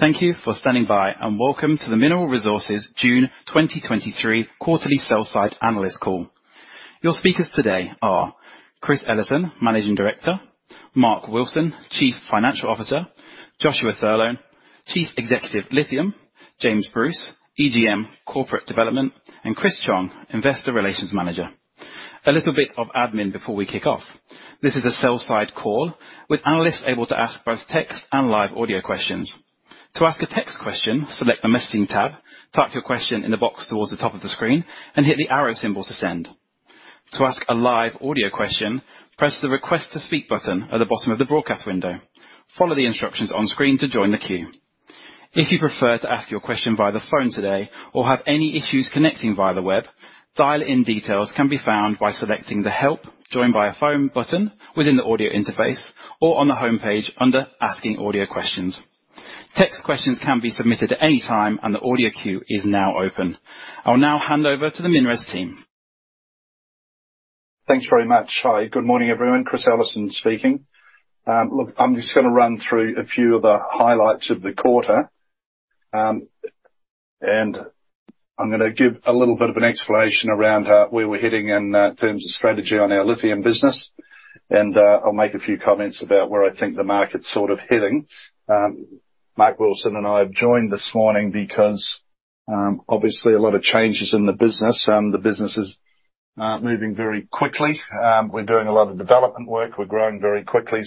Thank you for standing by, and welcome to the Mineral Resources June 2023 Quarterly Sell-Side Analyst Call. Your speakers today are Chris Ellison, Managing Director; Mark Wilson, Chief Financial Officer; Joshua Thurlow, Chief Executive, Lithium; James Bruce, EGM Corporate Development; and Chris Chong, Investor Relations Manager. A little bit of admin before we kick off. This is a sell-side call, with analysts able to ask both text and live audio questions. To ask a text question, select the Messaging tab, type your question in the box towards the top of the screen, and hit the arrow symbol to send. To ask a live audio question, press the Request to Speak button at the bottom of the broadcast window. Follow the instructions on screen to join the queue. If you prefer to ask your question via the phone today or have any issues connecting via the web, dial-in details can be found by selecting the Help, Join by a Phone button within the audio interface or on the homepage under Asking Audio Questions. Text questions can be submitted at any time. The audio queue is now open. I'll now hand over to the Minerals team. Thanks very much. Hi, good morning, everyone. Chris Ellison speaking. Look, I'm just gonna run through a few of the highlights of the quarter. I'm gonna give a little bit of an explanation around where we're heading in terms of strategy on our lithium business. I'll make a few comments about where I think the market's sort of heading. Mark Wilson and I have joined this morning because obviously, a lot of changes in the business, and the business is moving very quickly. We're doing a lot of development work. We're growing very quickly.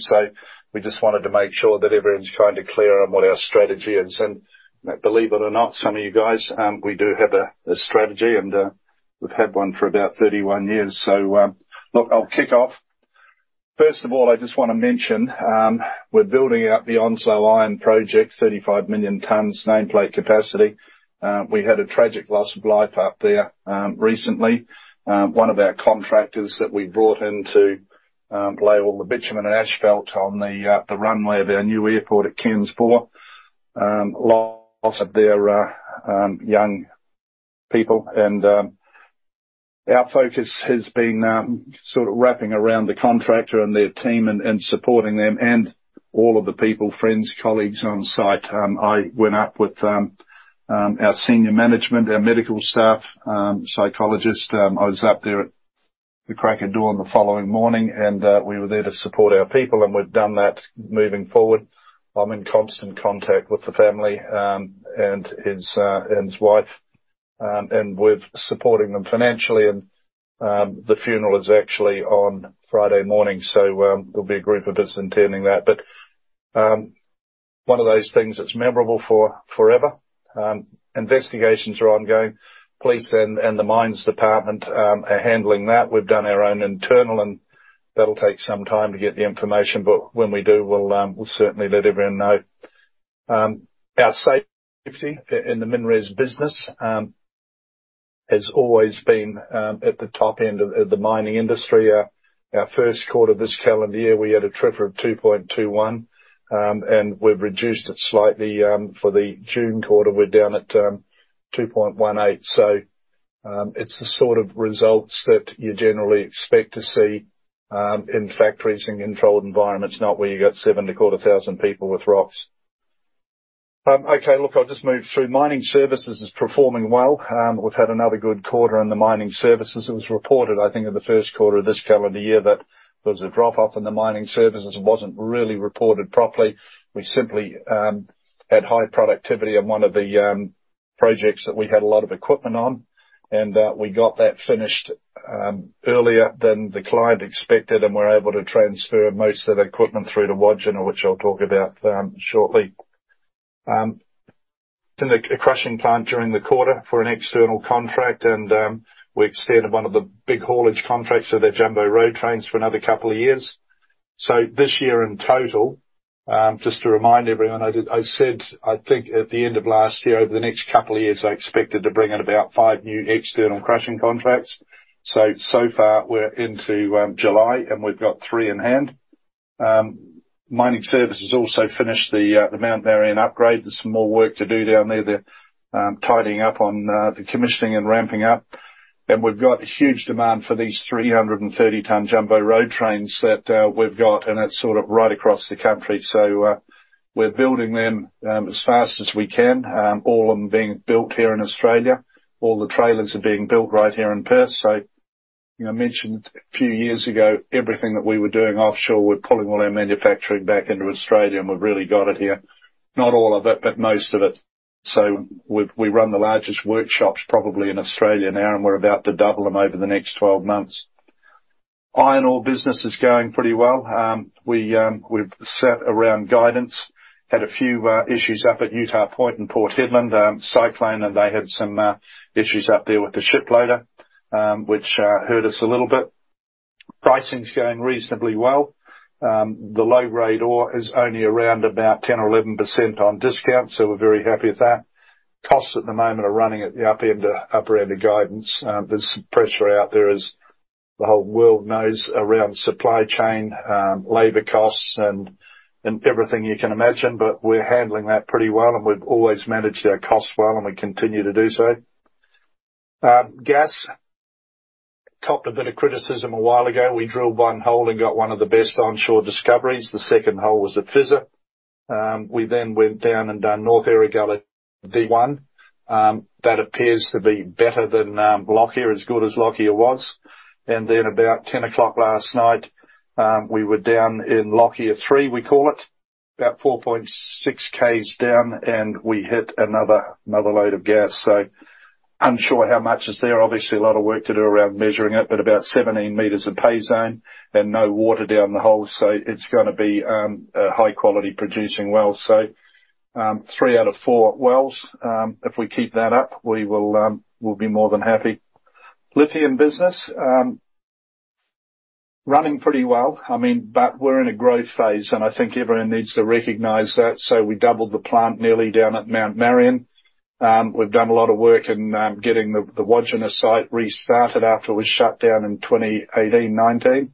We just wanted to make sure that everyone's kind of clear on what our strategy is. Believe it or not, some of you guys, we do have a strategy, and we've had one for about 31 years. Look, I'll kick off. First of all, I just want to mention, we're building out the Onslow Iron Project, 35 million tons nameplate capacity. We had a tragic loss of life up there recently. One of our contractors that we brought in to lay all the bitumen and asphalt on the runway of our new airport at Cairns Port. Loss of their young people, and our focus has been sort of wrapping around the contractor and their team and supporting them and all of the people, friends, colleagues on site. I went up with our senior management, our medical staff, psychologist. I was up there at the crack of dawn the following morning, and we were there to support our people, and we've done that moving forward. I'm in constant contact with the family and his wife, and we're supporting them financially. The funeral is actually on Friday morning, so there'll be a group of us attending that. One of those things that's memorable for forever. Investigations are ongoing. Police and the mines department are handling that. We've done our own internal, and that'll take some time to get the information, but when we do, we'll certainly let everyone know. Our safety in the MinRes business has always been at the top end of the mining industry. Our first quarter of this calendar year, we had a TRIR of 2.21. And we've reduced it slightly for the June quarter, we're down at 2.18. It's the sort of results that you generally expect to see in factories and controlled environments, not where you got seven to 250 people with rocks. Okay, look, I'll just move through. Mining services is performing well. We've had another good quarter in the mining services. It was reported, I think, in the first quarter of this calendar year, that there was a drop-off in the mining services. It wasn't really reported properly. We simply had high productivity in one of the projects that we had a lot of equipment on, and we got that finished earlier than the client expected, and we're able to transfer most of the equipment through to Wodgina, which I'll talk about shortly. A crushing plant during the quarter for an external contract, we've extended 1 of the big haulage contracts of the jumbo road trains for another couple of years. This year, in total, just to remind everyone, I said, I think at the end of last year, over the next couple of years, I expected to bring in about 5 new external crushing contracts. So far, we're into July, we've got three in hand. Mining services also finished the Mount Marion upgrade. There's some more work to do down there. They're tidying up on the commissioning and ramping up. We've got a huge demand for these 330 ton jumbo road trains that we've got, that's sort of right across the country. We're building them as fast as we can. All of them are being built here in Australia. All the trailers are being built right here in Perth. You know, I mentioned a few years ago, everything that we were doing offshore, we're pulling all our manufacturing back into Australia, and we've really got it here. Not all of it, but most of it. We run the largest workshops, probably in Australia now, and we're about to double them over the next 12 months. Iron ore business is going pretty well. We've set around guidance. Had a few issues up at Utah Point and Port Hedland, cyclone, and they had some issues up there with the ship loader, which hurt us a little bit. Pricing's going reasonably well. The low-grade ore is only around about 10% or 11% on discount, so we're very happy with that. Costs at the moment are running at the up end, upper end of guidance. There's some pressure out there, as the whole world knows, around supply chain, labor costs, and everything you can imagine, but we're handling that pretty well, and we've always managed our costs well, and we continue to do so. Copped a bit of criticism a while ago. We drilled one hole and got one of the best onshore discoveries. The second hole was a fizzer. We then went down and done North Erregulla Deep-1. That appears to be better than Lockyer, as good as Lockyer was. About 10:00 P.M. last night, we were down in Lockyer Three, we call it, about 4.6 Ks down, and we hit another load of gas. Unsure how much is there. Obviously, a lot of work to do around measuring it, but about 17 meters of pay zone and no water down the hole. It's gonna be a high quality producing well. Three out of four wells. If we keep that up, we will, we'll be more than happy. Lithium business, running pretty well. I mean, but we're in a growth phase, and I think everyone needs to recognize that. We doubled the plant nearly down at Mount Marion. We've done a lot of work in getting the Wodgina site restarted after it was shut down in 2018-2019.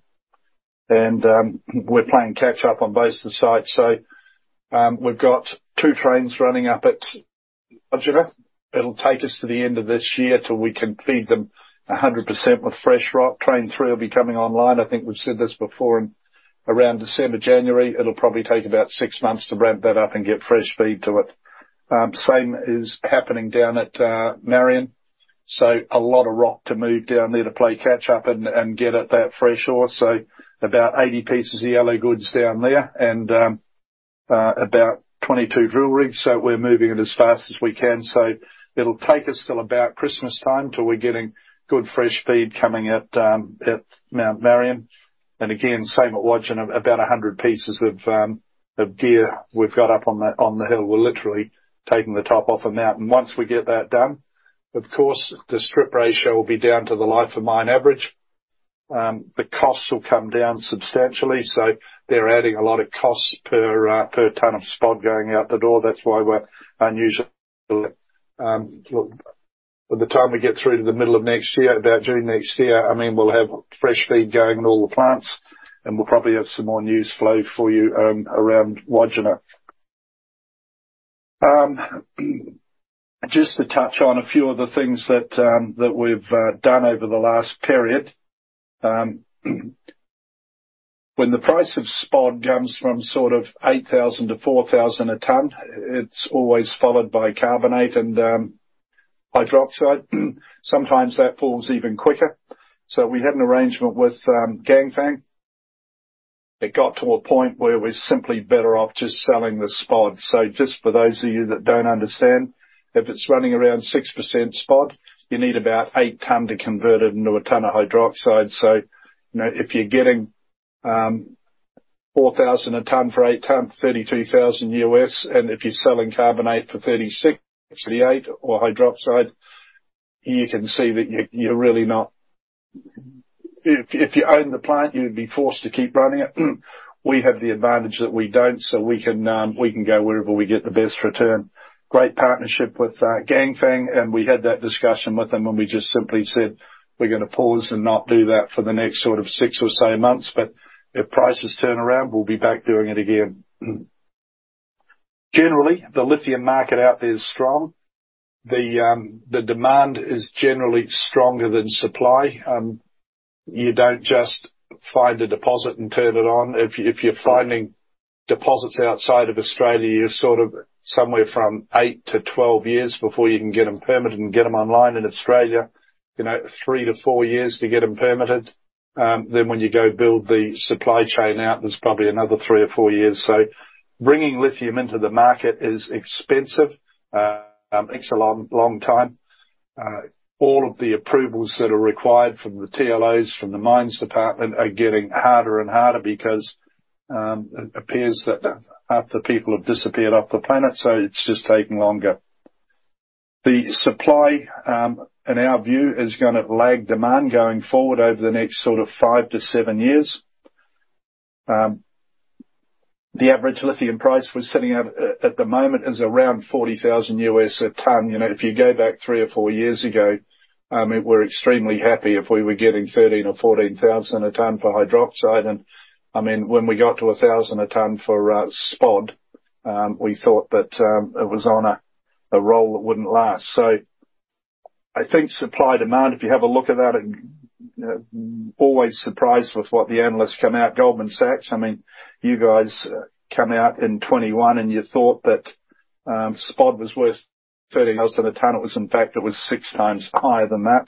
We're playing catch up on both the sites. We've got two trains running up at Wodgina. It'll take us to the end of this year till we can feed them 100% with fresh rock. Train three will be coming online, I think we've said this before, around December, January. It'll probably take about 6 months to ramp that up and get fresh feed to it. Same is happening down at Marion. A lot of rock to move down there to play catch up and get at that fresh ore. About 80 pieces of yellow goods down there and 22 drill rigs. We're moving it as fast as we can. It'll take us till about Christmas time till we're getting good, fresh feed coming at Mount Marion. Again, same at Wodgina, about 100 pieces of gear we've got up on the hill. We're literally taking the top off a mountain. Once we get that done, of course, the strip ratio will be down to the life of mine average. The costs will come down substantially, so they're adding a lot of costs per ton of spodumene going out the door. That's why we're unusually. By the time we get through to the middle of next year, about June next year, I mean, we'll have fresh feed going to all the plants, and we'll probably have some more news flow for you around Wodgina. Just to touch on a few of the things that we've done over the last period. When the price of spod comes from sort of 8,000 to 4,000 a ton, it's always followed by carbonate and hydroxide. Sometimes that falls even quicker. We had an arrangement with Ganfeng. It got to a point where we're simply better off just selling the spod. Just for those of you that don't understand, if it's running around 6% spod, you need about 8 tons to convert it into a ton of hydroxide. You know, if you're getting 4,000 a ton for 8 tons, $32,000, and if you're selling carbonate for $36,000-$38,000 or hydroxide, you can see that you're really not if you own the plant, you would be forced to keep running it. We have the advantage that we don't, so we can go wherever we get the best return. Great partnership with Ganfeng. We had that discussion with them and we just simply said, "We're gonna pause and not do that for the next sort of six or so months." If prices turn around, we'll be back doing it again. Generally, the lithium market out there is strong. The demand is generally stronger than supply. You don't just find a deposit and turn it on. If you, if you're finding deposits outside of Australia, you're sort of somewhere from eight to 12 years before you can get them permitted and get them online. In Australia, you know, three to four years to get them permitted. When you go build the supply chain out, there's probably another three or four years. Bringing lithium into the market is expensive. It takes a long, long time. All of the approvals that are required from the TLOs, from the mines department, are getting harder and harder because it appears that half the people have disappeared off the planet, so it's just taking longer. The supply, in our view, is gonna lag demand going forward over the next sort of 5 years-7 years. The average lithium price we're sitting at the moment is around $40,000 a ton. You know, if you go back 3 or 4 years ago, we're extremely happy if we were getting $13,000 or $14,000 a ton for hydroxide. I mean, when we got to $1,000 a ton for spod, we thought that it was on a roll that wouldn't last. I think supply-demand, if you have a look at that, and, always surprised with what the analysts come out. Goldman Sachs, I mean, you guys come out in 2021 and you thought that, spod was worth 30,000 a ton. It was in fact, it was six times higher than that.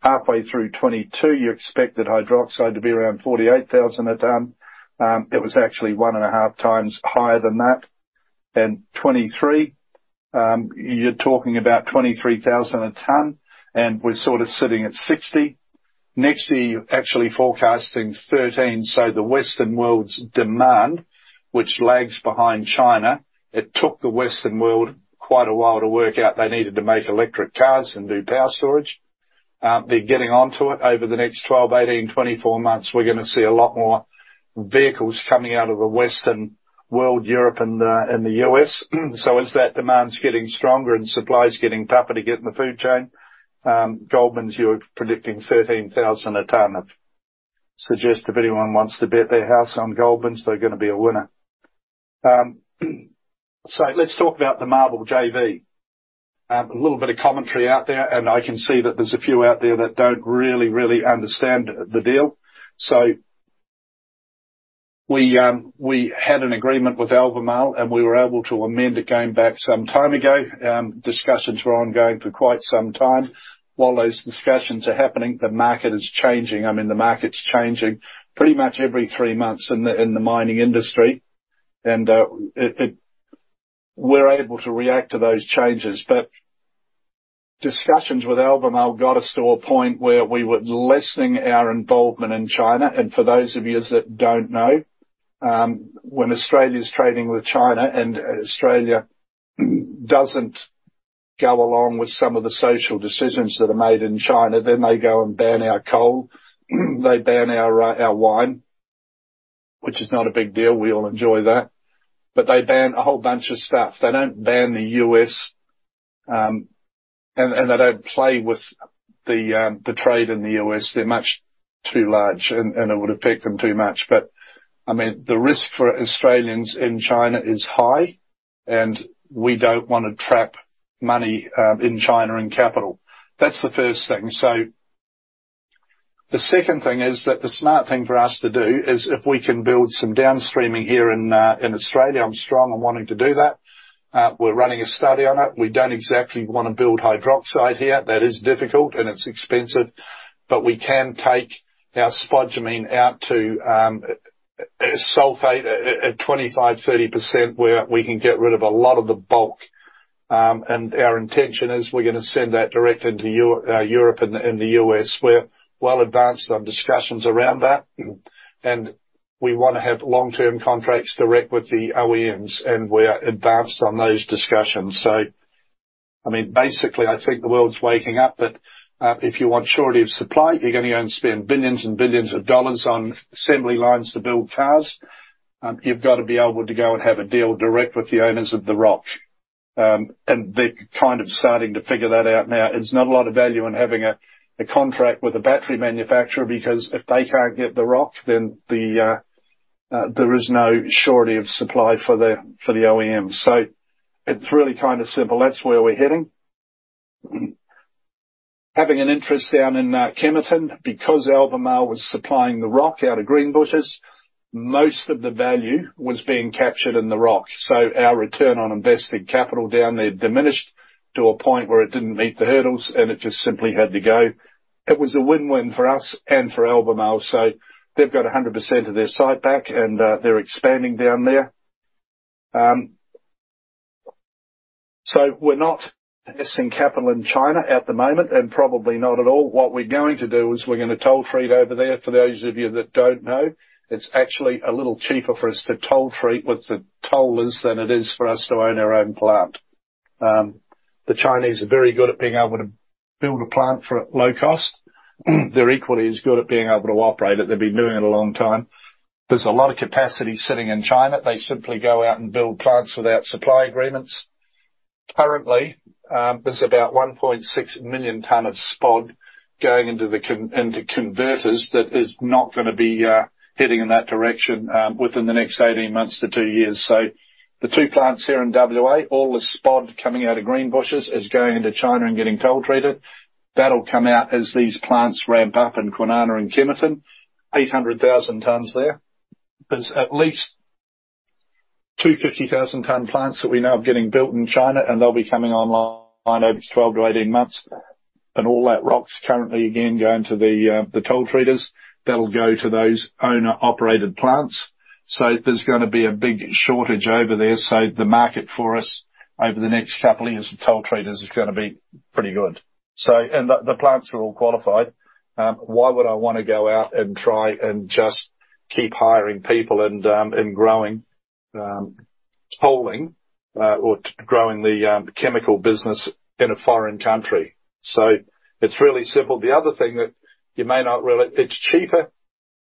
Halfway through 2022, you expected hydroxide to be around 48,000 a ton. It was actually one and a half times higher than that. 2023, you're talking about 23,000 a ton, and we're sort of sitting at 60,000. Next year, you're actually forecasting 13,000. The Western world's demand, which lags behind China, it took the Western world quite a while to work out they needed to make electric cars and do power storage. They're getting onto it. Over the next 12 months, 18 months, 24 months, we're gonna see a lot more vehicles coming out of the Western world, Europe, and the, and the U.S. As that demand is getting stronger and supply is getting tougher to get in the food chain, Goldman's, you're predicting 13,000 a ton. I suggest if anyone wants to bet their house on Goldman's, they're gonna be a winner. Let's talk about the MARBL JV. A little bit of commentary out there, and I can see that there's a few out there that don't really understand the deal. We had an agreement with Albemarle, and we were able to amend it going back some time ago. Discussions were ongoing for quite some time. While those discussions are happening, the market is changing. I mean, the market's changing pretty much every three months in the, in the mining industry, and we're able to react to those changes. Discussions with Albemarle got us to a point where we were lessening our involvement in China. For those of you that don't know, when Australia's trading with China, and Australia doesn't go along with some of the social decisions that are made in China, then they go and ban our coal. They ban our wine, which is not a big deal. We all enjoy that. They ban a whole bunch of stuff. They don't ban the U.S., and they don't play with the trade in the U.S. They're much too large, and it would affect them too much. I mean, the risk for Australians in China is high, and we don't want to trap money in China, in capital. That's the first thing. The second thing is that the smart thing for us to do is if we can build some down-streaming here in Australia, I'm strong on wanting to do that. We're running a study on it. We don't exactly want to build hydroxide here. That is difficult, and it's expensive, but we can take our spodumene out to sulfate at 25%-30%, where we can get rid of a lot of the bulk. Our intention is we're gonna send that direct into Europe and the U.S. We're well advanced on discussions around that, and we want to have long-term contracts direct with the OEMs, and we're advanced on those discussions. I mean, basically, I think the world's waking up, that, if you want surety of supply, you're gonna go and spend billions and billions of dollars on assembly lines to build cars. You've got to be able to go and have a deal direct with the owners of the rock. They're kind of starting to figure that out now. There's not a lot of value in having a contract with a battery manufacturer, because if they can't get the rock, then there is no surety of supply for the OEMs. It's really kind of simple. That's where we're heading. Having an interest down in Kemerton, because Albemarle was supplying the rock out of Greenbushes, most of the value was being captured in the rock. Our return on investing capital down there diminished to a point where it didn't meet the hurdles, and it just simply had to go. It was a win-win for us and for Albemarle. They've got 100% of their site back, and they're expanding down there. We're not investing capital in China at the moment, and probably not at all. What we're going to do is we're gonna toll treat over there. For those of you that don't know, it's actually a little cheaper for us to toll treat with the tollers than it is for us to own our own plant. The Chinese are very good at being able to build a plant for a low cost. They're equally as good at being able to operate it. They've been doing it a long time. There's a lot of capacity sitting in China. They simply go out and build plants without supply agreements. Currently, there's about 1.6 million tons of spod going into converters that is not gonna be heading in that direction within the next 18 months to 2 years. The two plants here in WA, all the spod coming out of Greenbushes, is going into China and getting toll treated. That'll come out as these plants ramp up in Kwinana and Kemerton, 800,000 tons there. There's at least two 50,000 ton plants that we know are getting built in China, and they'll be coming online over 12 months-18 months. All that rock's currently, again, going to the toll treaters. That'll go to those owner-operated plants. There's gonna be a big shortage over there. The market for us over the next couple of years as toll treaters, is going to be pretty good. The plants are all qualified. Why would I want to go out and try and just keep hiring people and growing, or growing the chemical business in a foreign country? It's really simple. The other thing that you may not realize, it's cheaper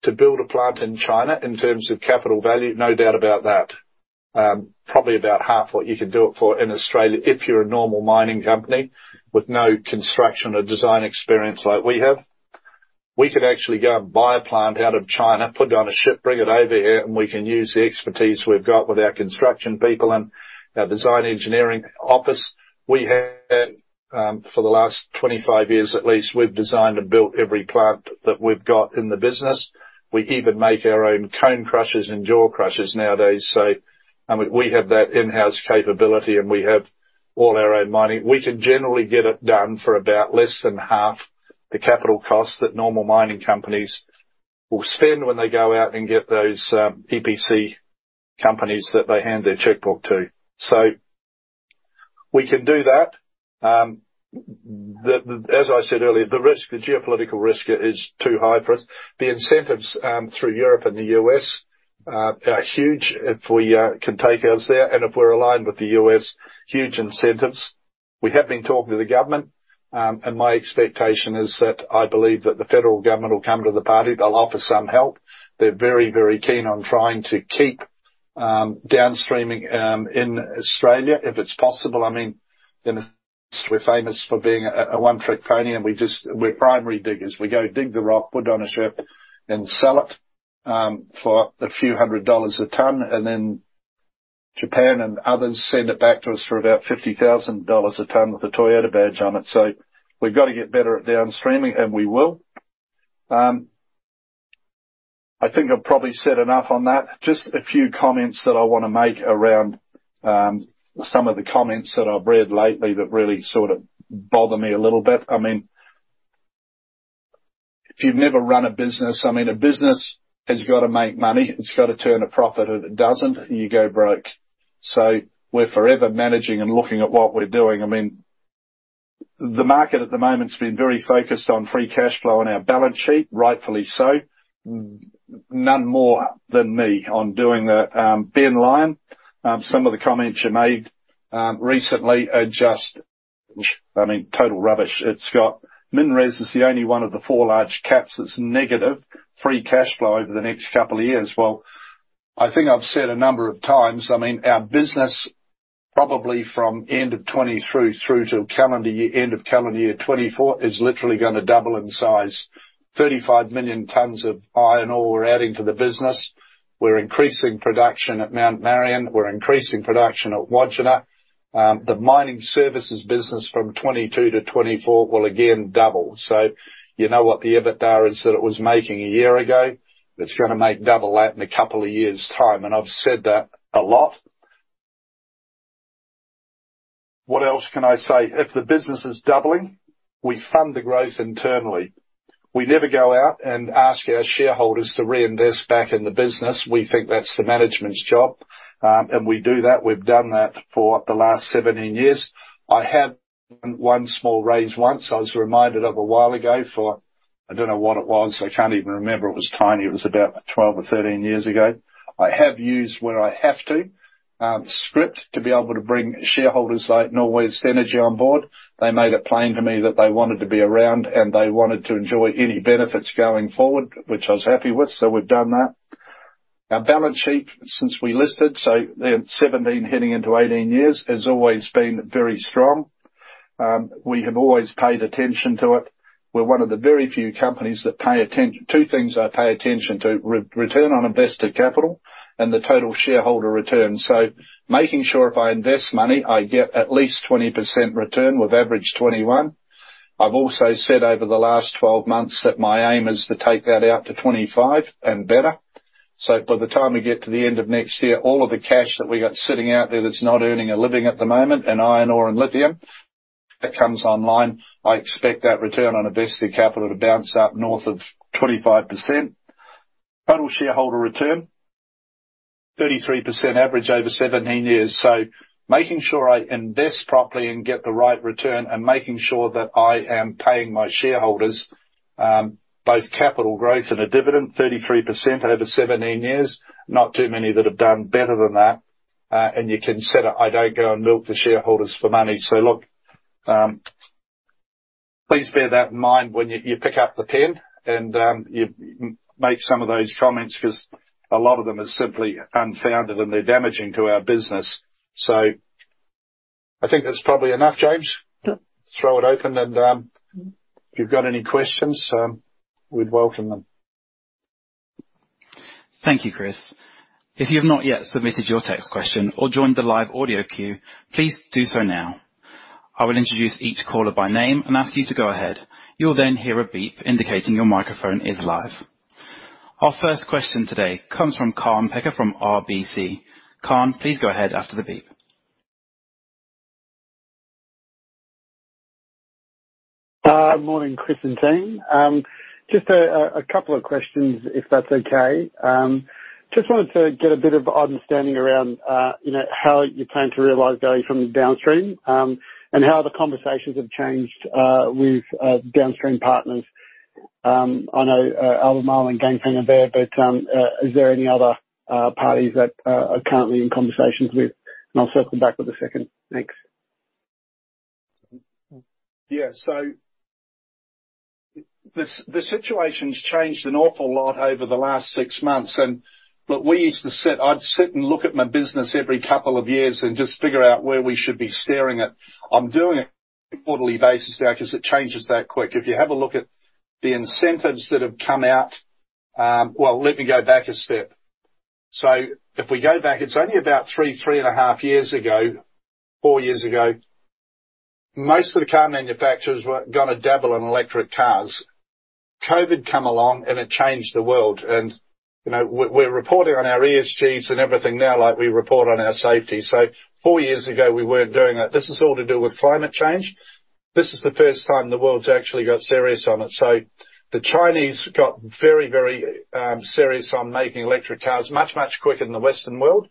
to build a plant in China in terms of capital value, no doubt about that. Probably about half what you can do it for in Australia if you're a normal mining company with no construction or design experience like we have. We could actually go and buy a plant out of China, put it on a ship, bring it over here, and we can use the expertise we've got with our construction people and our design engineering office. We have for the last 25 years at least, we've designed and built every plant that we've got in the business. We even make our own cone crushers and jaw crushers nowadays. I mean, we have that in-house capability, and we have all our own mining. We can generally get it done for about less than half the capital costs that normal mining companies will spend when they go out and get those EPC companies that they hand their checkbook to. We can do that. As I said earlier, the risk, the geopolitical risk is too high for us. The incentives through Europe and the U.S. are huge if we can take us there and if we're aligned with the U.S., huge incentives. We have been talking to the government, and my expectation is that I believe that the Federal Government will come to the party. They'll offer some help. They're very, very keen on trying to keep down-streaming in Australia, if it's possible. I mean, we're famous for being a one-trick pony, and we're primary diggers. We go dig the rock, put it on a strip, and sell it for a few hundred dollars a ton, and then Japan and others send it back to us for about 50,000 dollars a ton with a Toyota badge on it. We've got to get better at downstream, and we will. I think I've probably said enough on that. Just a few comments that I wanna make around some of the comments that I've read lately that really sort of bother me a little bit. I mean, if you've never run a business, I mean, a business has got to make money. It's got to turn a profit. If it doesn't, you go broke. We're forever managing and looking at what we're doing. I mean, the market at the moment has been very focused on free cash flow and our balance sheet, rightfully so. None more than me on doing that. Ben Lyons, some of the comments you made recently are just, I mean, total rubbish. MinRes is the only one of the four large caps that's negative free cash flow over the next couple of years. Well, I think I've said a number of times, I mean, our business, probably from end of 2020 through to end of calendar year 2024, is literally gonna double in size. 35 million tons of iron ore we're adding to the business. We're increasing production at Mount Marion. We're increasing production at Wodgina. The mining services business from 2022 to 2024 will again double. You know what the EBITDA is that it was making a year ago? It's gonna make double that in a couple of years' time, and I've said that a lot. What else can I say? If the business is doubling, we fund the growth internally. We never go out and ask our shareholders to reinvest back in the business. We think that's the management's job, and we do that. We've done that for the last 17 years. I had one small raise once. I was reminded of a while ago for—I don't know what it was. I can't even remember. It was tiny. It was about 12 years or 13 years ago. I have used, where I have to, script to be able to bring shareholders like Norwest Energy on board. They made it plain to me that they wanted to be around, and they wanted to enjoy any benefits going forward, which I was happy with. We've done that. Our balance sheet since we listed, so 17 years heading into 18 years, has always been very strong. We have always paid attention to it. We're one of the very few companies that two things I pay attention to, re-return on invested capital and the total shareholder return. Making sure if I invest money, I get at least 20% return, with average 21%. I've also said over the last 12 months that my aim is to take that out to 25% and better. By the time we get to the end of next year, all of the cash that we got sitting out there that's not earning a living at the moment, in iron ore and lithium, that comes online, I expect that return on invested capital to bounce up north of 25%. Total shareholder return, 33% average over 17 years. Making sure I invest properly and get the right return, and making sure that I am paying my shareholders, both capital growth and a dividend, 33% over 17 years. Not too many that have done better than that, and you can set it. I don't go and milk the shareholders for money. Look, please bear that in mind when you pick up the pen and you make some of those comments, because a lot of them are simply unfounded, and they're damaging to our business. I think that's probably enough, James. Yep. Throw it open. If you've got any questions, we'd welcome them. Thank you, Chris. If you have not yet submitted your text question or joined the live audio queue, please do so now. I will introduce each caller by name and ask you to go ahead. You'll then hear a beep indicating your microphone is live. Our first question today comes from Kaan Peker from RBC. Kaan, please go ahead after the beep. Good morning, Chris and team. Just a couple of questions, if that's okay. Just wanted to get a bit of understanding around, you know, how you plan to realize value from downstream, and how the conversations have changed with downstream partners. I know Albemarle and Ganfeng are there, but is there any other parties that are currently in conversations with? I'll circle back with a second. Thanks. Yeah, the situation's changed an awful lot over the last six months. We used to I'd sit and look at my business every couple of years and just figure out where we should be steering it. I'm doing it quarterly basis now, because it changes that quick. If you have a look at the incentives that have come out. Well, let me go back a step. If we go back, it's only about three and a half years ago, four years ago, most of the car manufacturers were gonna dabble in electric cars. Covid came along, it changed the world. You know, we're reporting on our ESGs and everything now, like we report on our safety. Four years ago, we weren't doing that. This is all to do with climate change. This is the first time the world's actually got serious on it. The Chinese got very, very serious on making electric cars much, much quicker than the Western world.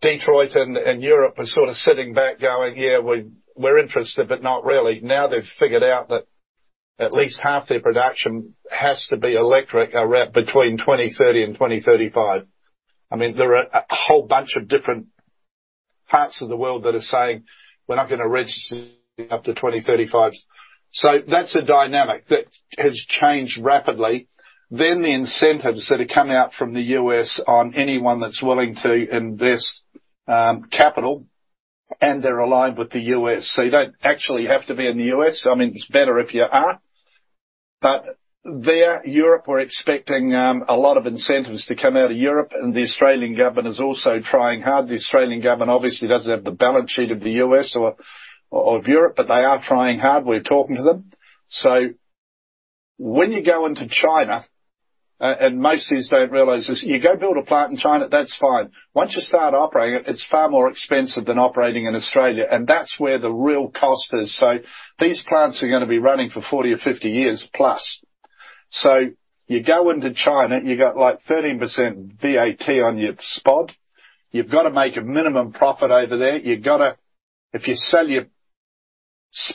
Detroit and Europe are sort of sitting back, going, "Yeah, we're interested, but not really." Now, they've figured out that at least half their production has to be electric around between 2030 and 2035. I mean, there are a whole bunch of different parts of the world that are saying, "We're not gonna register up to 2035." That's a dynamic that has changed rapidly. The incentives that are coming out from the U.S. on anyone that's willing to invest capital, and they're aligned with the U.S., so you don't actually have to be in the U.S.. I mean, it's better if you are. There, Europe, we're expecting a lot of incentives to come out of Europe, and the Australian government is also trying hard. The Australian government obviously doesn't have the balance sheet of the U.S. or of Europe, but they are trying hard. We're talking to them. When you go into China, and most of these don't realize this, you go build a plant in China, that's fine. Once you start operating it's far more expensive than operating in Australia, and that's where the real cost is. These plants are gonna be running for 40 years or 50 years plus. You go into China, you got, like, 13% VAT on your spod. You've got to make a minimum profit over there. If you sell your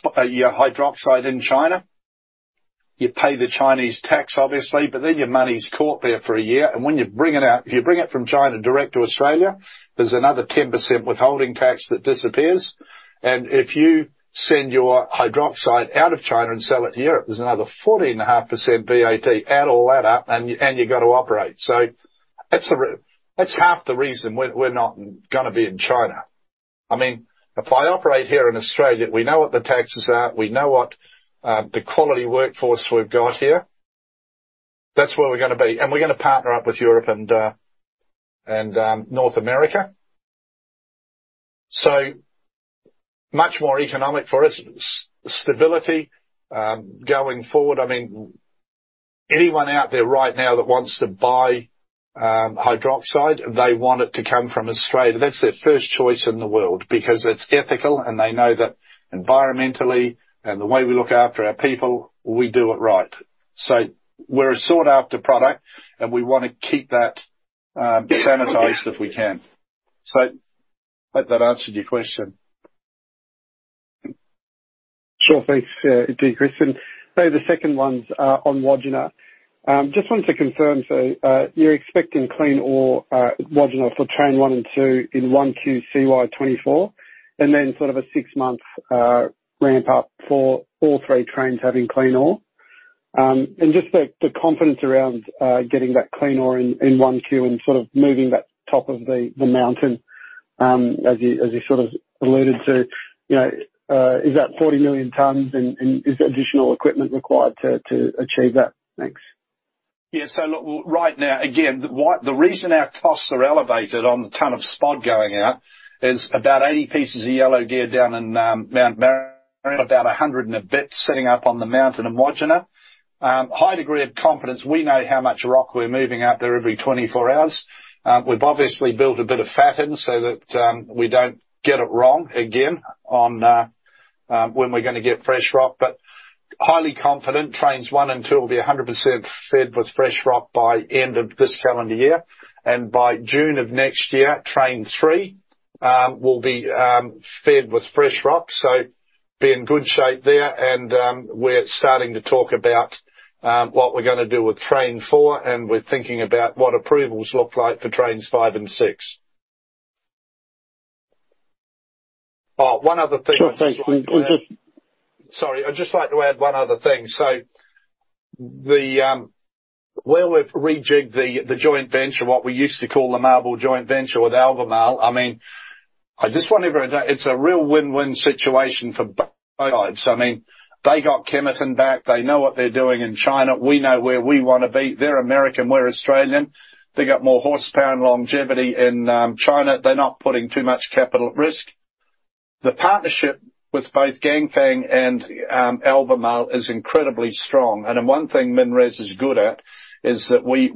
hydroxide in China, you pay the Chinese tax, obviously, but then your money's caught there for a year, and when you bring it out, if you bring it from China direct to Australia, there's another 10% withholding tax that disappears. If you send your hydroxide out of China and sell it to Europe, there's another 14.5% VAT. Add all that up, and you've got to operate. That's half the reason we're not gonna be in China. I mean, if I operate here in Australia, we know what the taxes are, we know what the quality workforce we've got here. That's where we're gonna be, and we're gonna partner up with Europe and North America. Much more economic for us. Stability going forward. I mean, anyone out there right now that wants to buy hydroxide, they want it to come from Australia. That's their first choice in the world because it's ethical and they know that environmentally and the way we look after our people, we do it right. We're a sought-after product, and we want to keep that sanitized if we can. Hope that answered your question. Sure. Thanks to you, Chris. The second one's on Wodgina. Just wanted to confirm, you're expecting clean ore, Wodgina for train one and train one in 1 QCY 2024, and then sort of a six-month ramp up for all three trains having clean ore? Just the confidence around getting that clean ore in 1Q, and sort of moving that top of the mountain, as you, as you sort of alluded to, you know, is that 40 million tons, and is additional equipment required to achieve that? Thanks. Yeah. Look, well, right now, again, the reason our costs are elevated on the ton of spod going out is about 80 pieces of yellow gear down in Mount Marion, about 100 and a bit sitting up on the mountain in Wodgina. High degree of confidence. We know how much rock we're moving out there every 24 hours. We've obviously built a bit of fat in so that we don't get it wrong again on when we're gonna get fresh rock. Highly confident, trains one and two will be 100% fed with fresh rock by end of this calendar year. By June of next year, train three will be fed with fresh rock, so be in good shape there, and, we're starting to talk about, what we're gonna do with train four, and we're thinking about what approvals look like for trains five and six. One other thing I'd just like to add. Sure, thanks. Sorry, I'd just like to add one other thing. Where we've rejigged the joint venture, what we used to call the MARBL Joint Venture with Albemarle, I mean, I just want everyone to know, it's a real win-win situation for both sides. I mean, they got Kemerton back. They know what they're doing in China. We know where we want to be. They're American, we're Australian. They got more horsepower and longevity in China. They're not putting too much capital at risk. The partnership with both Ganfeng and Albemarle is incredibly strong. One thing MinRes is good at is that we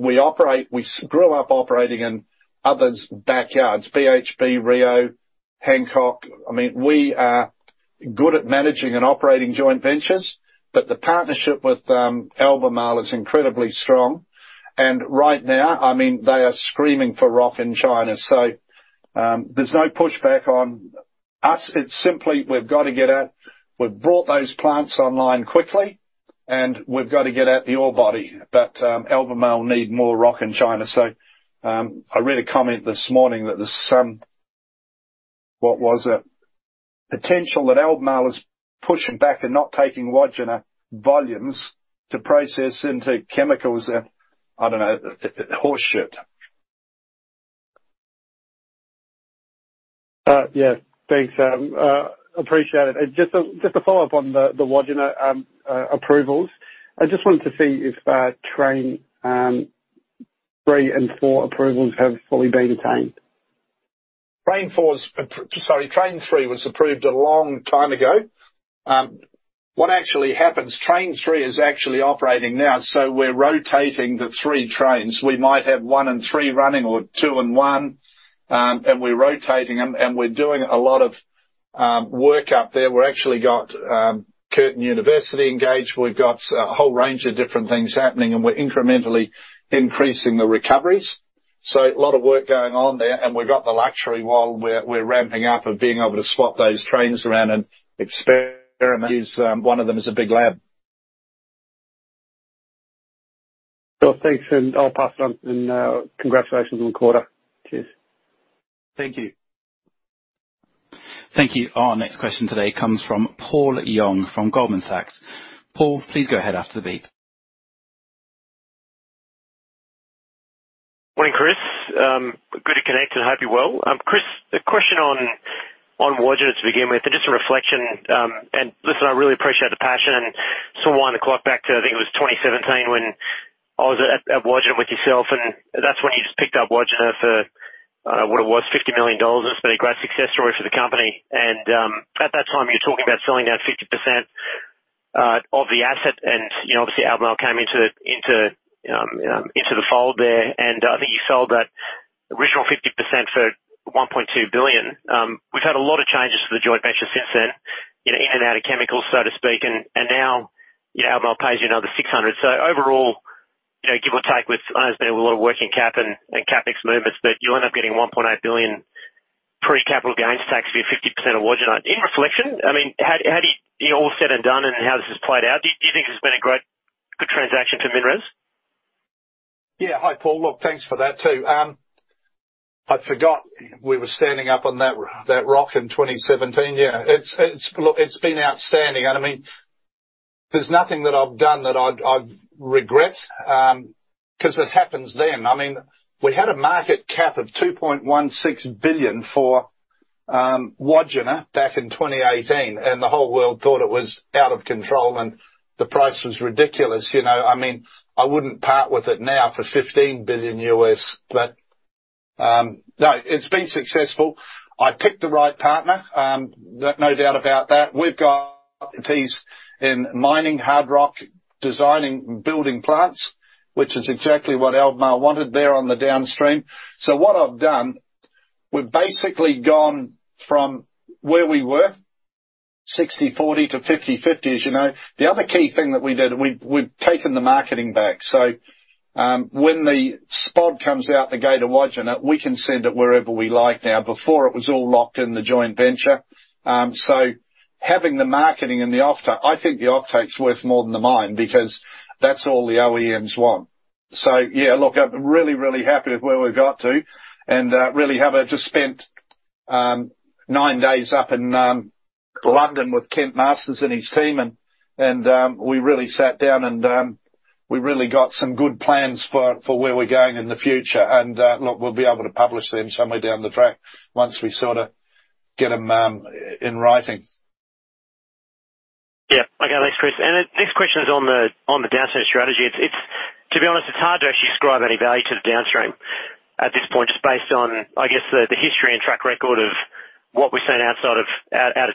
grew up operating in others' backyards. BHP, Rio, Hancock. I mean, we are good at managing and operating joint ventures, but the partnership with Albemarle is incredibly strong. Right now, I mean, they are screaming for rock in China. There's no pushback on us. It's simply, we've got to get out. We've brought those plants online quickly, and we've got to get out the ore body. Albemarle need more rock in China. I read a comment this morning that there's some potential that Albemarle is pushing back and not taking Wodgina volumes to process into chemicals and, I don't know, horseshit. Yes. Thanks, appreciate it. Just a follow-up on the Wodgina approvals. I just wanted to see if train three and four approvals have fully been obtained. Train four's sorry, train three was approved a long time ago. What actually happens, train three is actually operating now, so we're rotating the three trains. We might have one and three running or two and one, and we're rotating them, and we're doing a lot of work up there. We've actually got Curtin University engaged. We've got a whole range of different things happening, and we're incrementally increasing the recoveries. A lot of work going on there, and we've got the luxury while we're ramping up of being able to swap those trains around and experiment, is, one of them is a big lab. Well, thanks. I'll pass it on. Congratulations on the quarter. Cheers. Thank you. Thank you. Our next question today comes from Paul Young, from Goldman Sachs. Paul, please go ahead after the beep. Chris, good to connect and hope you're well. Chris, a question on Wodgina to begin with. Just a reflection. Listen, I really appreciate the passion and so wind the clock back to, I think it was 2017 when I was at Wodgina with yourself, and that's when you just picked up Wodgina for, what it was, 50 million dollars. It's been a great success story for the company. At that time, you were talking about selling out 50% of the asset. You know, obviously Albemarle came into, into the fold there, and I think you sold that original 50% for 1.2 billion. we've had a lot of changes to the joint venture since then, you know, in and out of chemicals, so to speak, and now, you know, Albemarle pays you another 600. Overall, you know, give or take with, I know there's been a lot of working cap and CapEx movements, but you'll end up getting 1.8 billion pre-capital gains tax for your 50% of Wodgina. In reflection, I mean, how do you - all said and done and how this has played out, do you think this has been a great, good transaction to MinRes? Yeah. Hi, Paul. Look, thanks for that, too. I forgot we were standing up on that rock in 2017. Yeah, it's been outstanding. I mean, there's nothing that I've done that I'd regret, 'cause it happens then. I mean, we had a market cap of 2.16 billion for Wodgina back in 2018, and the whole world thought it was out of control and the price was ridiculous. You know, I mean, I wouldn't part with it now for $15 billion, but no, it's been successful. I picked the right partner, no doubt about that. We've got expertise in mining, hard rock, designing, and building plants, which is exactly what Albemarle wanted there on the downstream. What I've done, we've basically gone from where we were, 60/40 to 50/50, you know? The other key thing that we did, we've taken the marketing back. When the spod comes out the gate of Wodgina, we can send it wherever we like now. Before it was all locked in the joint venture. Having the marketing and the offtake, I think the offtake's worth more than the mine, because that's all the OEMs want. Yeah, look, I'm really, really happy with where we've got to. Just spent nine days up in London with Kent Masters and his team, and we really sat down and we really got some good plans for where we're going in the future. Look, we'll be able to publish them somewhere down the track once we sort of get them in writing. Yeah. Okay, thanks, Chris. The next question is on the downstream strategy. It's, to be honest, it's hard to actually ascribe any value to the downstream at this point, just based on, I guess, the history and track record of what we've seen outside of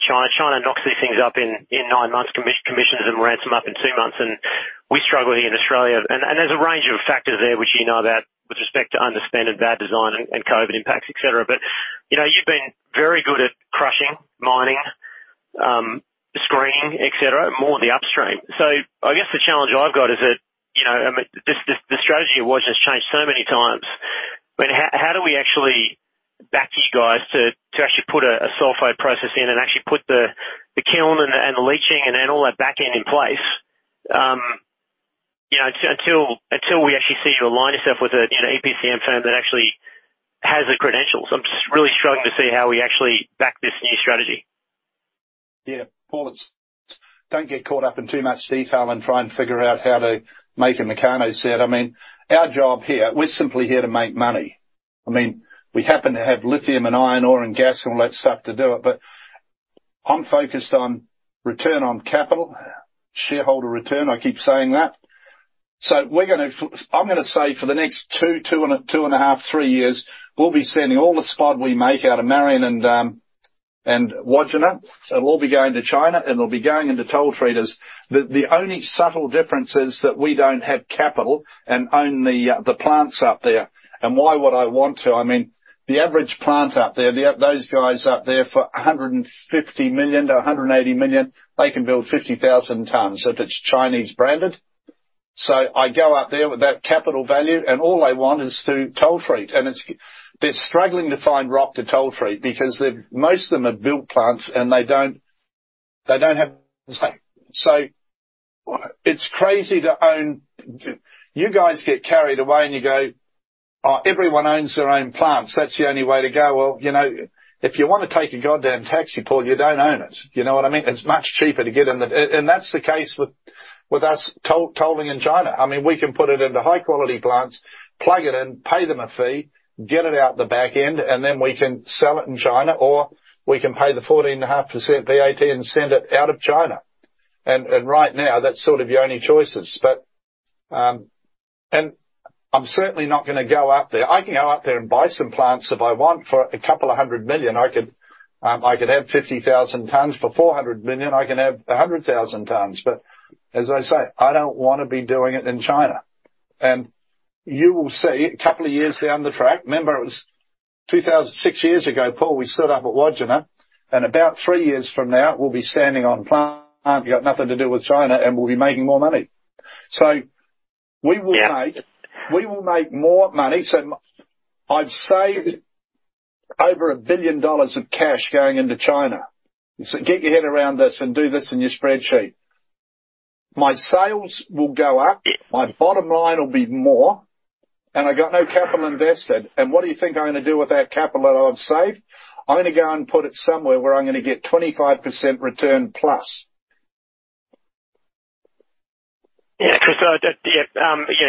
China. China knocks these things up in nine months, commissions them, ramps them up in two months, and we struggle here in Australia. There's a range of factors there which you know about with respect to understand and bad design and COVID impacts, et cetera. You know, you've been very good at crushing, mining, screening, et cetera, more on the upstream. I guess the challenge I've got is that, you know, I mean, this, the strategy of Wodgina has changed so many times. I mean, how do we actually back you guys to actually put a sulfide process in and actually put the kiln and the leaching and then all that back end in place? You know, until we actually see you align yourself with a, you know, EPCM firm that actually has the credentials. I'm just really struggling to see how we actually back this new strategy. Yeah, Paul, don't get caught up in too much detail and try and figure out how to make a Meccano set. I mean, our job here, we're simply here to make money. I mean, we happen to have lithium and iron ore and gas and all that stuff to do it, but I'm focused on return on capital, shareholder return. I keep saying that. I'm gonna say for the next two and a half, three years, we'll be sending all the spod we make out of Marion and Wodgina. It'll all be going to China, and it'll be going into toll treaters. The only subtle difference is that we don't have capital and own the plants up there. Why would I want to? I mean, the average plant up there, those guys up there for 150 million-180 million, they can build 50,000 tons if it's Chinese branded. I go up there with that capital value, and all I want is to toll treat. They're struggling to find rock to toll treat because most of them have built plants, and they don't have. It's crazy to own. You guys get carried away, and you go, "Oh, everyone owns their own plants. That's the only way to go." Well, you know, if you want to take a goddamn taxi, Paul, you don't own it. You know what I mean? It's much cheaper to get in the. And that's the case with us tolling in China. I mean, we can put it into high-quality plants, plug it in, pay them a fee, get it out the back end, and then we can sell it in China, or we can pay the 14.5% VAT and send it out of China. Right now, that's sort of your only choices. I'm certainly not gonna go out there. I can go out there and buy some plants if I want for 200 million. I could have 50,000 tons. For 400 million, I can have 100,000 tons, but as I say, I don't wanna be doing it in China. You will see a couple of years down the track, remember, it was 2000—six years ago, Paul, we stood up at Wodgina, and about three years from now, we'll be standing on plant, got nothing to do with China, and we'll be making more money. Yeah. We will make more money. I've saved over 1 billion dollars of cash going into China. Get your head around this and do this in your spreadsheet. My sales will go up, my bottom line will be more, and I got no capital invested. What do you think I'm gonna do with that capital that I've saved? I'm gonna go and put it somewhere where I'm gonna get 25% return plus. Yeah, Chris, so that, yeah,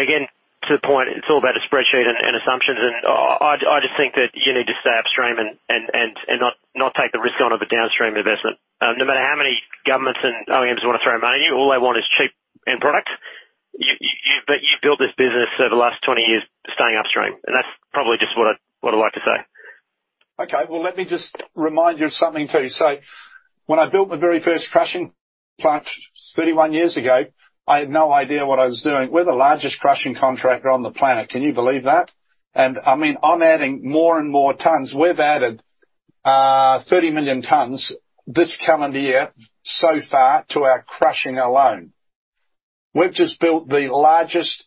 again, to the point, it's all about a spreadsheet and assumptions. I just think that you need to stay upstream and not take the risk on of a downstream investment. No matter how many governments and OEMs wanna throw money at you, all they want is cheap end product. You've built this business over the last 20 years, staying upstream, and that's probably just what I'd like to say. Okay, well, let me just remind you of something, too. When I built my very first crushing plant 31 years ago, I had no idea what I was doing. We're the largest crushing contractor on the planet. Can you believe that? I mean, I'm adding more and more tons. We've added 30 million tons this calendar year so far to our crushing alone. We've just built the largest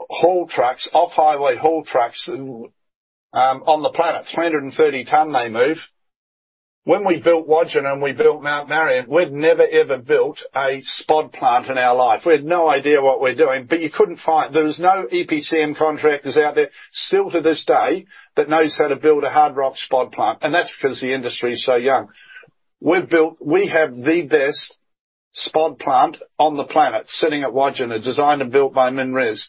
haul trucks, off-highway haul trucks, on the planet. 330 ton, they move. When we built Wodgina and we built Mount Marion, we'd never, ever built a spod plant in our life. We had no idea what we're doing, there was no EPCM contractors out there, still to this day, that knows how to build a hard rock spod plant. That's because the industry is so young. We have the best spod plant on the planet sitting at Wodgina, designed and built by MinRes.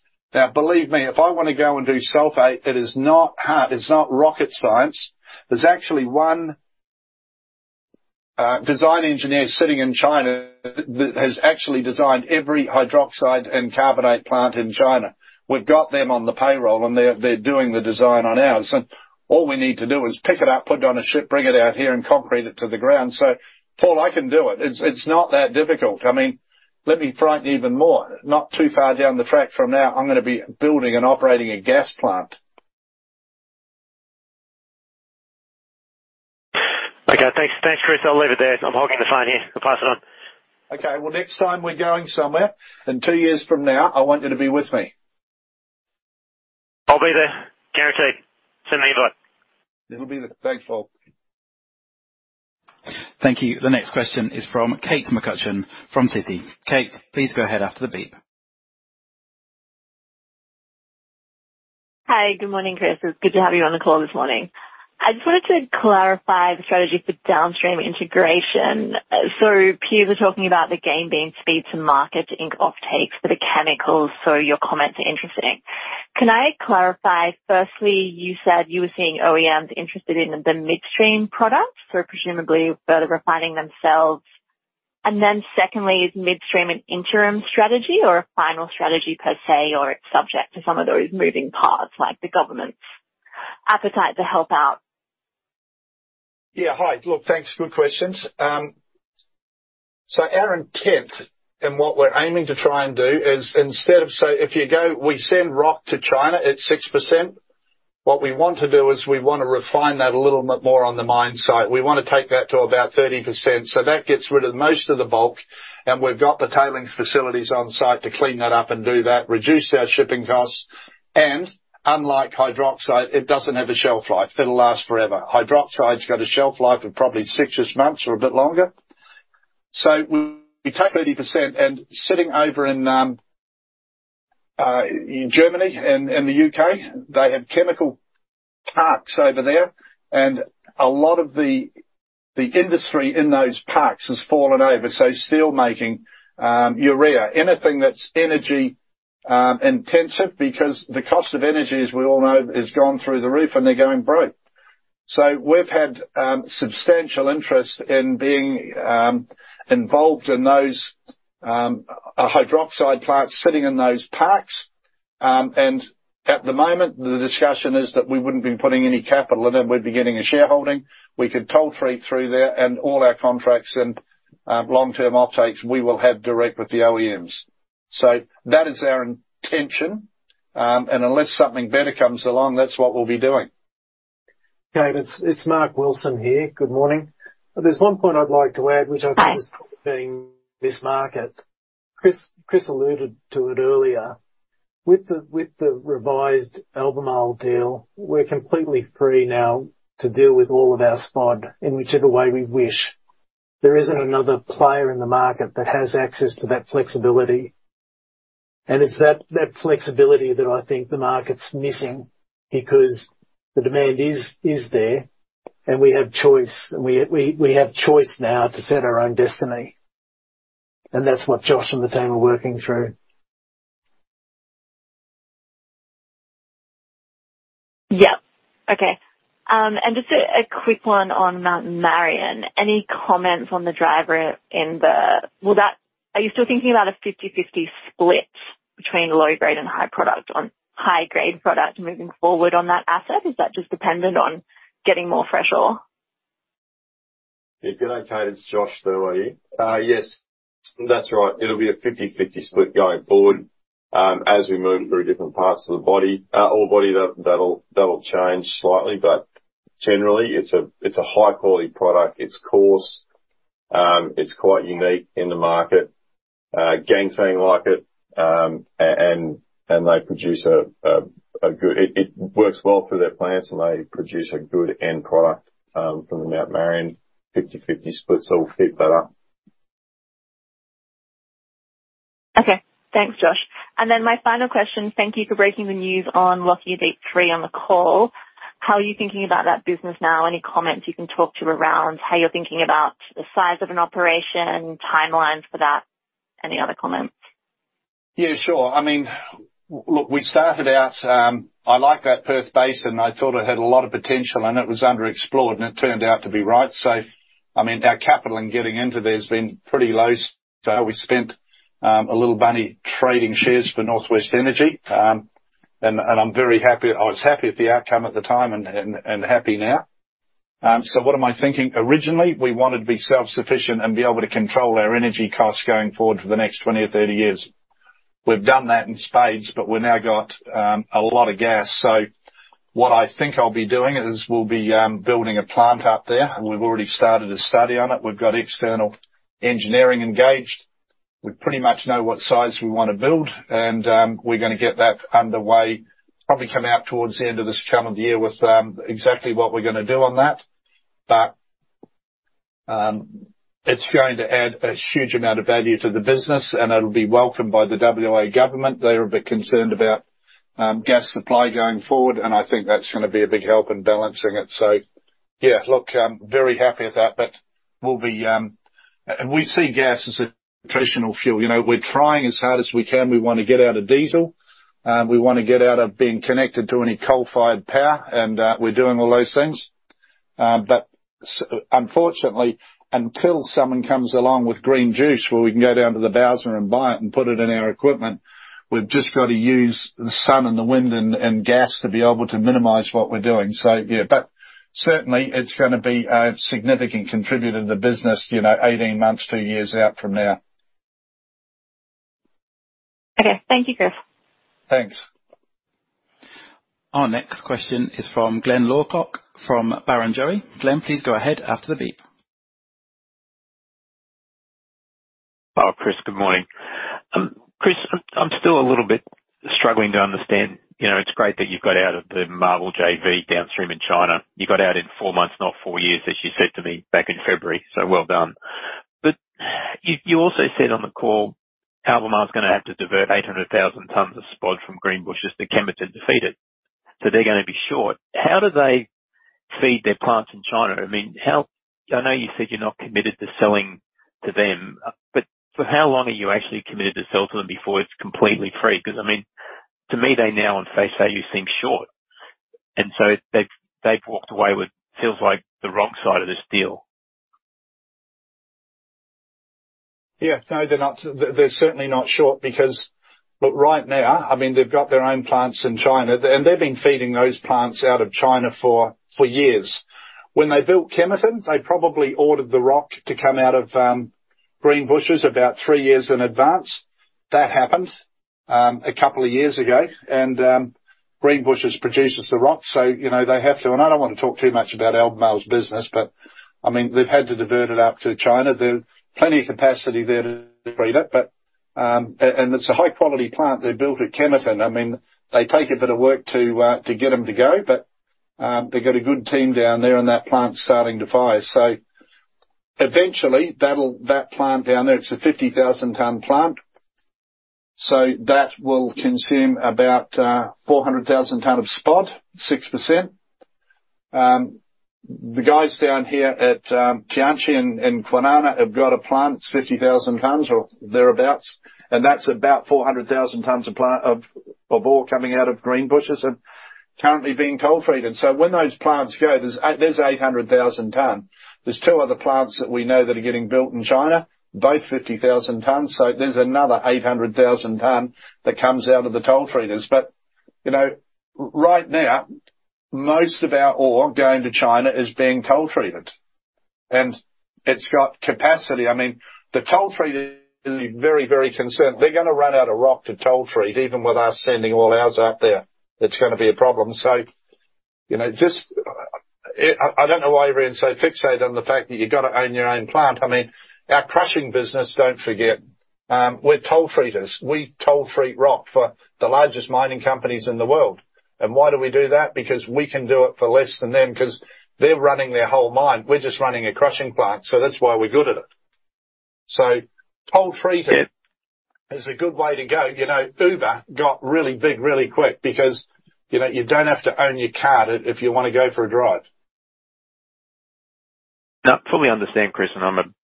Believe me, if I want to go and do sulfate, it is not hard. It's not rocket science. There's actually one design engineer sitting in China that has actually designed every hydroxide and carbonate plant in China. We've got them on the payroll, and they're doing the design on ours, and all we need to do is pick it up, put it on a ship, bring it out here, and concrete it to the ground. Paul, I can do it. It's not that difficult. I mean, let me frighten you even more. Not too far down the track from now, I'm gonna be building and operating a gas plant. Okay, thanks. Thanks, Chris. I'll leave it there. I'm holding the phone here. I'll pass it on. Okay. Well, next time we're going somewhere, and two years from now, I want you to be with me. I'll be there, guaranteed. Send me an invite. It'll be there. Thanks, Paul. Thank you. The next question is from Kate McCutcheon from Citi. Kate, please go ahead after the beep. Hi. Good morning, Chris. It's good to have you on the call this morning. I just wanted to clarify the strategy for downstream integration. Peers are talking about the gain being speed to market in offtakes for the chemicals. Your comments are interesting. Can I clarify, firstly, you said you were seeing OEMs interested in the midstream products, so presumably further refining themselves. Secondly, is midstream an interim strategy or a final strategy per se, or it's subject to some of those moving parts, like the government's appetite to help out? Yeah. Hi, look, thanks. Good questions. Our intent and what we're aiming to try and do is instead of, if you go, we send rock to China at 6%. What we want to do is we want to refine that a little bit more on the mine site. We want to take that to about 30%. That gets rid of most of the bulk, and we've got the tailings facilities on site to clean that up and do that, reduce our shipping costs, and unlike hydroxide, it doesn't have a shelf life. It'll last forever. Hydroxide's got a shelf life of probably six-ish months or a bit longer. We take 30% and sitting over in Germany and the U.K., they have chemical parks over there, and a lot of the industry in those parks has fallen over. Steelmaking, urea, anything that's energy intensive, because the cost of energy, as we all know, has gone through the roof, and they're going broke. We've had substantial interest in being involved in those hydroxide plants sitting in those parks. At the moment, the discussion is that we wouldn't be putting any capital in them. We'd be getting a shareholding. We could toll free through there, and all our contracts and long-term offtakes, we will have direct with the OEMs. That is our intention, and unless something better comes along, that's what we'll be doing. Kate, it's Mark Wilson here. Good morning. There's one point I'd like to add, which I think is probably being this market. Chris alluded to it earlier. With the revised Albemarle deal, we're completely free now to deal with all of our spod in whichever way we wish. There isn't another player in the market that has access to that flexibility, and it's that flexibility that I think the market's missing, because the demand is there, and we have choice. We have choice now to set our own destiny, and that's what Josh and the team are working through. Yeah. Okay, just a quick one on Mount Marion. Any comments on the driver well, that. Are you still thinking about a 50/50 split between low-grade and high product on high-grade product moving forward on that asset? Is that just dependent on getting more fresh ore? Good day, Kate. It's Joshua Thurlow. Yes, that's right. It'll be a 50/50 split going forward, as we move through different parts of the body, that will change slightly, but generally, it's a high-quality product. It's coarse. It's quite unique in the market. Ganfeng like it, It works well for their plants, and they produce a good end product from the Mount Marion 50/50 split, so we'll keep that up. Okay. Thanks, Josh. My final question, thank you for breaking the news on Lockyer-3 on the call. How are you thinking about that business now? Any comments you can talk to around how you're thinking about the size of an operation, timelines for that? Any other comments? Yeah, sure. I mean, look, we started out, I like that Perth Basin. I thought it had a lot of potential, and it was underexplored, and it turned out to be right. I mean, our capital in getting into there has been pretty low. We spent a little money trading shares for Norwest Energy. I'm very happy. I was happy with the outcome at the time and happy now. What am I thinking? Originally, we wanted to be self-sufficient and be able to control our energy costs going forward for the next 20 or 30 years. We've done that in spades, but we've now got a lot of gas. What I think I'll be doing is we'll be building a plant up there, and we've already started a study on it. We've got external engineering engaged. We pretty much know what size we want to build, and we're gonna get that underway. Probably come out towards the end of this calendar year with exactly what we're gonna do on that. It's going to add a huge amount of value to the business, and it'll be welcomed by the WA government. They're a bit concerned about gas supply going forward, and I think that's gonna be a big help in balancing it. Yeah, look, I'm very happy with that, but we'll be. We see gas as a traditional fuel. You know, we're trying as hard as we can. We want to get out of diesel, we want to get out of being connected to any coal-fired power, and we're doing all those things. Unfortunately, until someone comes along with green juice, where we can go down to the Bowser and buy it and put it in our equipment, we've just got to use the sun and the wind and gas to be able to minimize what we're doing. Yeah, but certainly it's gonna be a significant contributor to the business, you know, 18 months, 2 years out from now. Okay. Thank you, Chris. Thanks. Our next question is from Glyn Lawcock, from Barrenjoey. Glyn, please go ahead after the beep. Hi, Chris. Good morning. Chris, I'm still a little bit struggling to understand. You know, it's great that you've got out of the MARBL JV downstream in China. You got out in four months, not four years, as you said to me back in February. Well done. You also said on the call, Albemarle is gonna have to divert 0.8 million tons of spod from Greenbushes to Kemerton to feed it. They're gonna be short. How do they feed their plants in China? I mean, I know you said you're not committed to selling to them, but for how long are you actually committed to sell to them before it's completely free? I mean, to me, they now, on face value, seem short, and so they've walked away with feels like the wrong side of this deal. Yeah. No, they're not. They're certainly not short, because look, right now, I mean, they've got their own plants in China, and they've been feeding those plants out of China for years. When they built Kemerton, they probably ordered the rock to come out of Greenbushes about three years in advance. That happened a couple of years ago, and Greenbushes produces the rock, so, you know, they have to. I don't want to talk too much about Albemarle's business, but I mean, they've had to divert it up to China. There are plenty of capacity there to feed it, but and it's a high-quality plant they built at Kemerton. I mean, they take a bit of work to get them to go, but they've got a good team down there, and that plant's starting to fire. Eventually that plant down there, it's a 50,000 ton plant, so that will consume about 0.4 million ton of spod, 6%. The guys down here at Tianqi and Kwinana have got a plant, it's 50,000 tons or thereabouts, and that's about 0.4 million tons of ore coming out of Greenbushes and currently being toll-treated. When those plants go, there's 0.8 million ton. There's two other plants that we know that are getting built in China, both 50,000 ton. There's another 0.8 million ton that comes out of the toll treaters. You know, right now, most of our ore going to China is being toll-treated, and it's got capacity. I mean, the toll treaters are very, very concerned. They're gonna run out of rock to toll treat, even with us sending all ours out there, it's gonna be a problem. You know, I don't know why everyone's so fixated on the fact that you've got to own your own plant. I mean, our crushing business, don't forget, we're toll treaters. We toll treat rock for the largest mining companies in the world. Why do we do that? Because we can do it for less than them, because they're running their whole mine. We're just running a crushing plant. That's why we're good at it. Toll treating is a good way to go. You know, Uber got really big, really quick because, you know, you don't have to own your car if you want to go for a drive. Fully understand, Chris,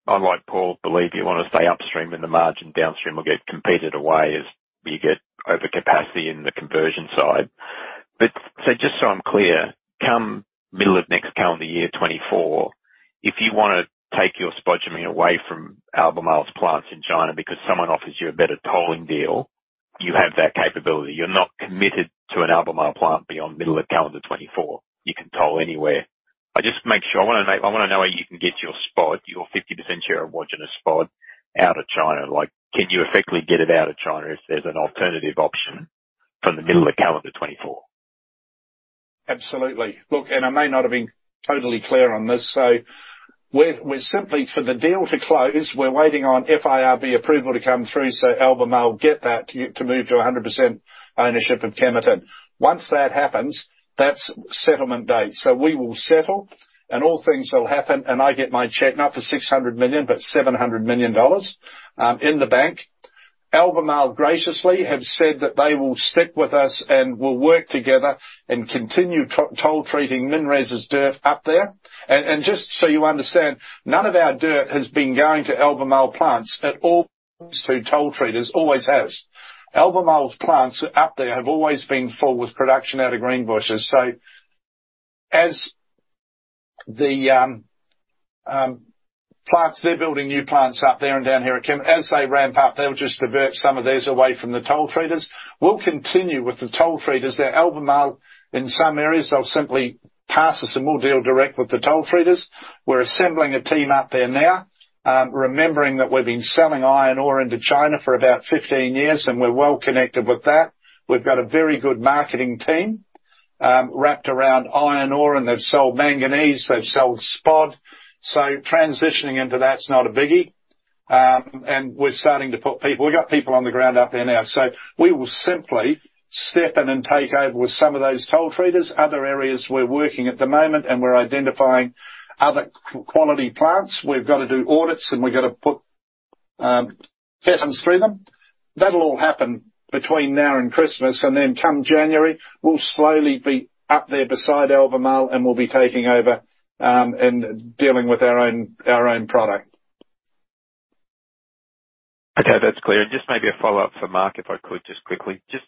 unlike Paul, believe you want to stay upstream in the margin, downstream will get competed away as you get overcapacity in the conversion side. Just so I'm clear, come middle of next calendar year, 2024, if you want to take your spodumene away from Albemarle's plants in China because someone offers you a better tolling deal, you have that capability. You're not committed to an Albemarle plant beyond middle of calendar 2024. You can toll anywhere. I wanna know where you can get your spod, your 50% share of Wodgina spod out of China. Like, can you effectively get it out of China if there's an alternative option from the middle of calendar 2024? Absolutely. Look, I may not have been totally clear on this. We're simply, for the deal to close, we're waiting on FIRB approval to come through. Albemarle will get that to move to 100% ownership of Kemerton. Once that happens, that's settlement date. We will settle, and all things will happen, and I get my check, not for 600 million, but 700 million dollars in the bank. Albemarle graciously have said that they will stick with us, and we'll work together and continue to toll treating MinRes' dirt up there. Just so you understand, none of our dirt has been going to Albemarle plants. It all goes through toll treaters, always has. Albemarle's plants up there have always been full with production out of Greenbushes. As the plants, they're building new plants up there and down here at Kim. As they ramp up, they'll just divert some of those away from the toll treaters. We'll continue with the toll treaters. They're Albemarle in some areas. They'll simply pass us, and we'll deal direct with the toll treaters. We're assembling a team up there now, remembering that we've been selling iron ore into China for about 15 years, and we're well connected with that. We've got a very good marketing team wrapped around iron ore, and they've sold manganese, they've sold spod. Transitioning into that's not a biggie. We've got people on the ground out there now, so we will simply step in and take over with some of those toll treaters. Other areas, we're working at the moment, and we're identifying other quality plants. We've got to do audits, and we've got to put peasants through them. That'll all happen between now and Christmas, and then come January, we'll slowly be up there beside Albemarle, and we'll be taking over and dealing with our own, our own product. Okay, that's clear. Just maybe a follow-up for Mark, if I could, just quickly. Just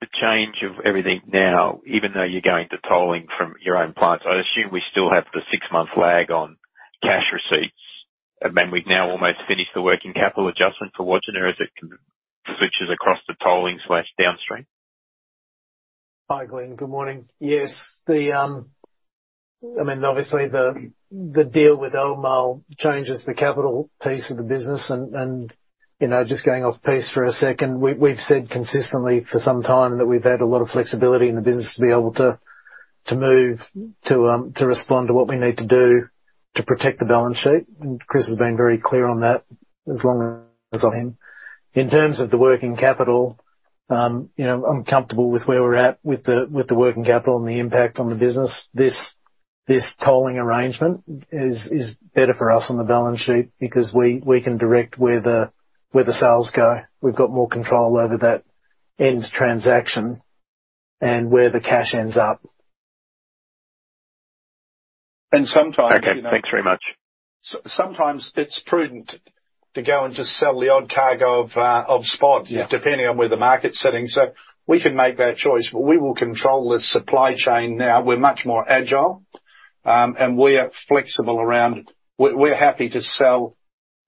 the change of everything now, even though you're going to tolling from your own plants, I'd assume we still have the six-month lag on cash receipts, and then we've now almost finished the working capital adjustment for Wodgina as it switches across to tolling/downstream. Hi, Glyn. Good morning. Yes, the I mean, obviously, the deal with Albemarle changes the capital piece of the business and, you know, just going off piece for a second, we've said consistently for some time that we've had a lot of flexibility in the business to be able to move, to respond to what we need to do to protect the balance sheet. Chris has been very clear on that as long as I've known him. In terms of the working capital, you know, I'm comfortable with where we're at with the, with the working capital and the impact on the business. This tolling arrangement is better for us on the balance sheet because we can direct where the sales go. We've got more control over that end transaction and where the cash ends up. And sometimes- Okay, thanks very much. Sometimes it's prudent to go and just sell the odd cargo of spod depending on where the market's sitting. We can make that choice, but we will control the supply chain now. We're much more agile, and we are flexible around it. We're happy to sell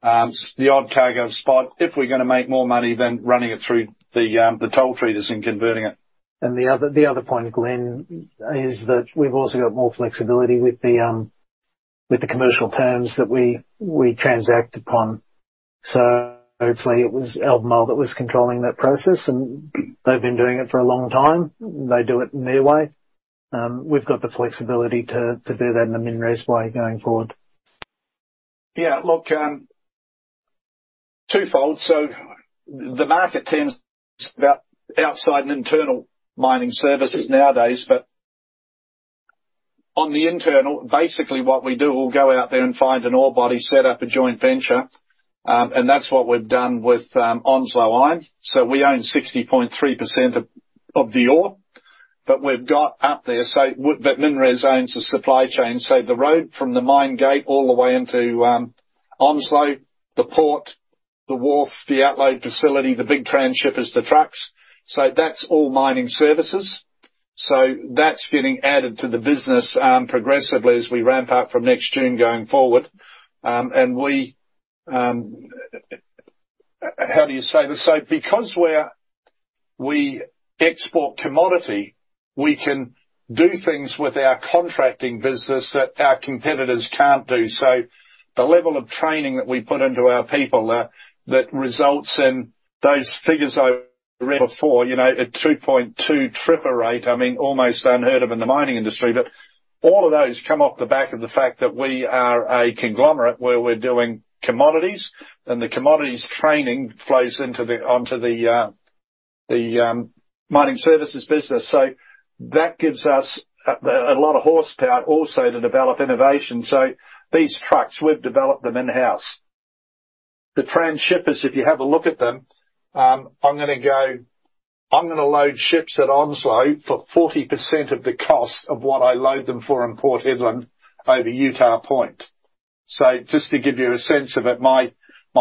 the odd cargo of spod if we're gonna make more money than running it through the toll treaters and converting it. The other point, Glyn, is that we've also got more flexibility with the, with the commercial terms that we transact upon. Hopefully it was Albemarle that was controlling that process, and they've been doing it for a long time. They do it their way. We've got the flexibility to do that in the MinRes way going forward. Look, twofold: The market tends about outside and internal mining services nowadays. On the internal, basically what we do, we'll go out there and find an ore body, set up a joint venture, and that's what we've done with Onslow Iron. We own 60.3% of the ore, but we've got up there, but MinRes owns the supply chain, the road from the mine gate all the way into Onslow, the port, the wharf, the outlay facility, the big trans-shippers, the trucks. That's all mining services. That's getting added to the business progressively as we ramp up from next June going forward. And we—How do you say this? Because we export commodity, we can do things with our contracting business that our competitors can't do. The level of training that we put into our people, that results in those figures I read before, you know, a 2.2 tripper rate, I mean, almost unheard of in the mining industry. All of those come off the back of the fact that we are a conglomerate, where we're doing commodities, and the commodities training flows into the, onto the mining services business. That gives us a lot of horsepower also to develop innovation. These trucks, we've developed them in-house. The trans-shippers, if you have a look at them, I'm gonna load ships at Onslow for 40% of the cost of what I load them for in Port Hedland over Utah Point. Just to give you a sense of it, my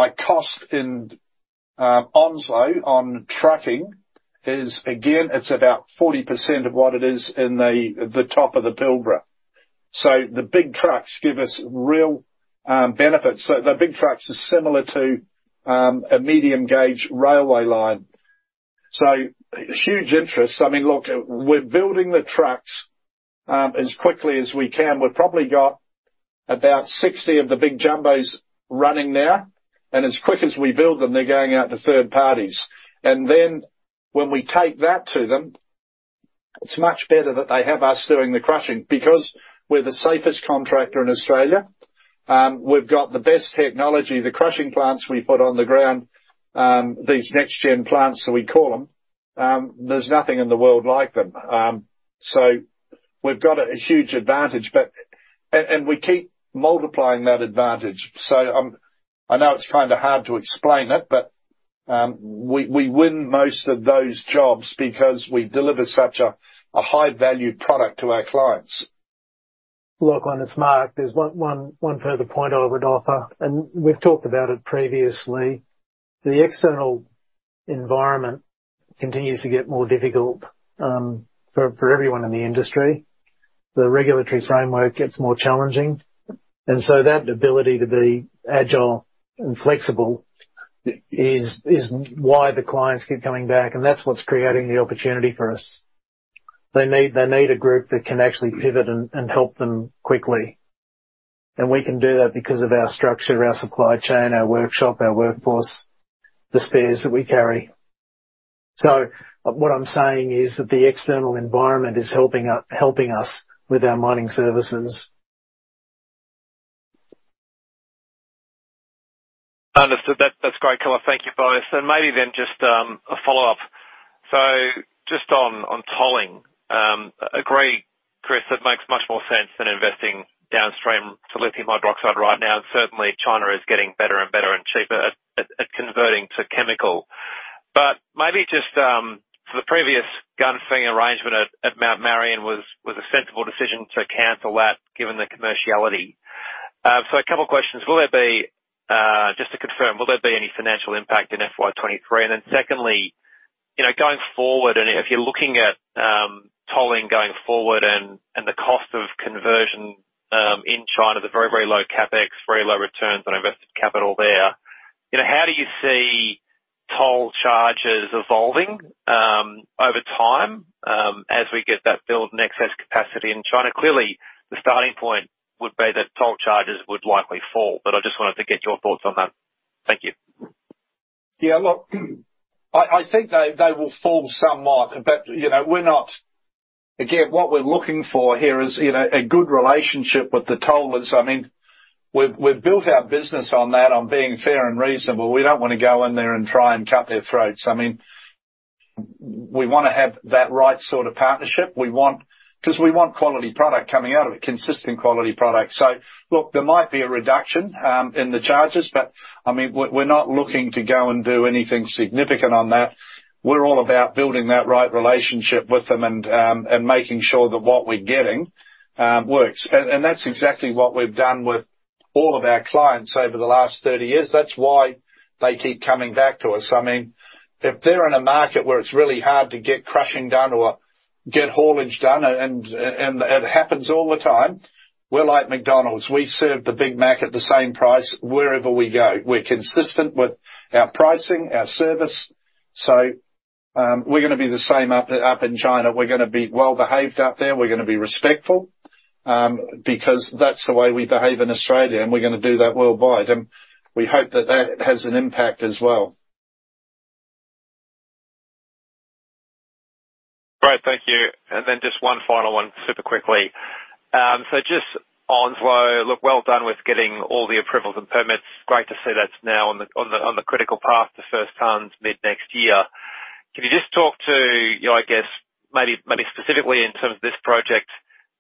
cost in Onslow on trucking is, again, it's about 40% of what it is in the top of the Pilbara. The big trucks give us real benefits. The big trucks are similar to a medium gauge railway line, so huge interest. I mean, look, we're building the trucks as quickly as we can. We've probably got about 60 of the big jumbos running now, and as quick as we build them, they're going out to third parties. Then when we take that to them, it's much better that they have us doing the crushing, because we're the safest contractor in Australia. We've got the best technology, the crushing plants we put on the ground, these next-gen plants, we call them, there's nothing in the world like them. We've got a huge advantage, and we keep multiplying that advantage. I know it's kind of hard to explain it, but we win most of those jobs because we deliver such a high-value product to our clients. On its mark, there's one further point I would offer, and we've talked about it previously. The external environment continues to get more difficult for everyone in the industry. The regulatory framework gets more challenging, that ability to be agile and flexible is why the clients keep coming back, and that's what's creating the opportunity for us. They need a group that can actually pivot and help them quickly. We can do that because of our structure, our supply chain, our workshop, our workforce, the spares that we carry. What I'm saying is that the external environment is helping us with our mining services. Understood. That's great color. Thank you both. Maybe then just a follow-up. Just on tolling, agree, Chris, it makes much more sense than investing downstream to lithium hydroxide right now. Certainly, China is getting better and better and cheaper at converting to chemical. Maybe just for the previous gun thing arrangement at Mount Marion was a sensible decision to cancel that given the commerciality. A couple of questions: Just to confirm, will there be any financial impact in FY 2023? Secondly, you know, going forward, and if you're looking at, tolling going forward and the cost of conversion, in China, the very, very low CapEx, very low returns on invested capital there, you know, how do you see toll charges evolving, over time, as we get that build and excess capacity in China? Clearly, the starting point would be that toll charges would likely fall, but I just wanted to get your thoughts on that. Thank you. Yeah, look, I think they will fall somewhat, you know. Again, what we're looking for here is, you know, a good relationship with the tollers. I mean, we've built our business on that, on being fair and reasonable. We don't want to go in there and try and cut their throats. I mean, we want to have that right sort of partnership because we want quality product coming out of it, consistent quality product. Look, there might be a reduction in the charges, but, I mean, we're not looking to go and do anything significant on that. We're all about building that right relationship with them and making sure that what we're getting works. That's exactly what we've done with all of our clients over the last 30 years. That's why they keep coming back to us. I mean, if they're in a market where it's really hard to get crushing done or get haulage done, and it happens all the time, we're like McDonald's. We serve the Big Mac at the same price wherever we go. We're consistent with our pricing, our service, so, we're gonna be the same up in China. We're gonna be well-behaved out there. We're gonna be respectful, because that's the way we behave in Australia, and we're gonna do that worldwide. We hope that that has an impact as well. Great. Thank you. Just one final one, super quickly. Just Onslow, look, well done with getting all the approvals and permits. Great to see that's now on the critical path to first tons mid-next year. Can you just talk to, you know, I guess maybe specifically in terms of this project,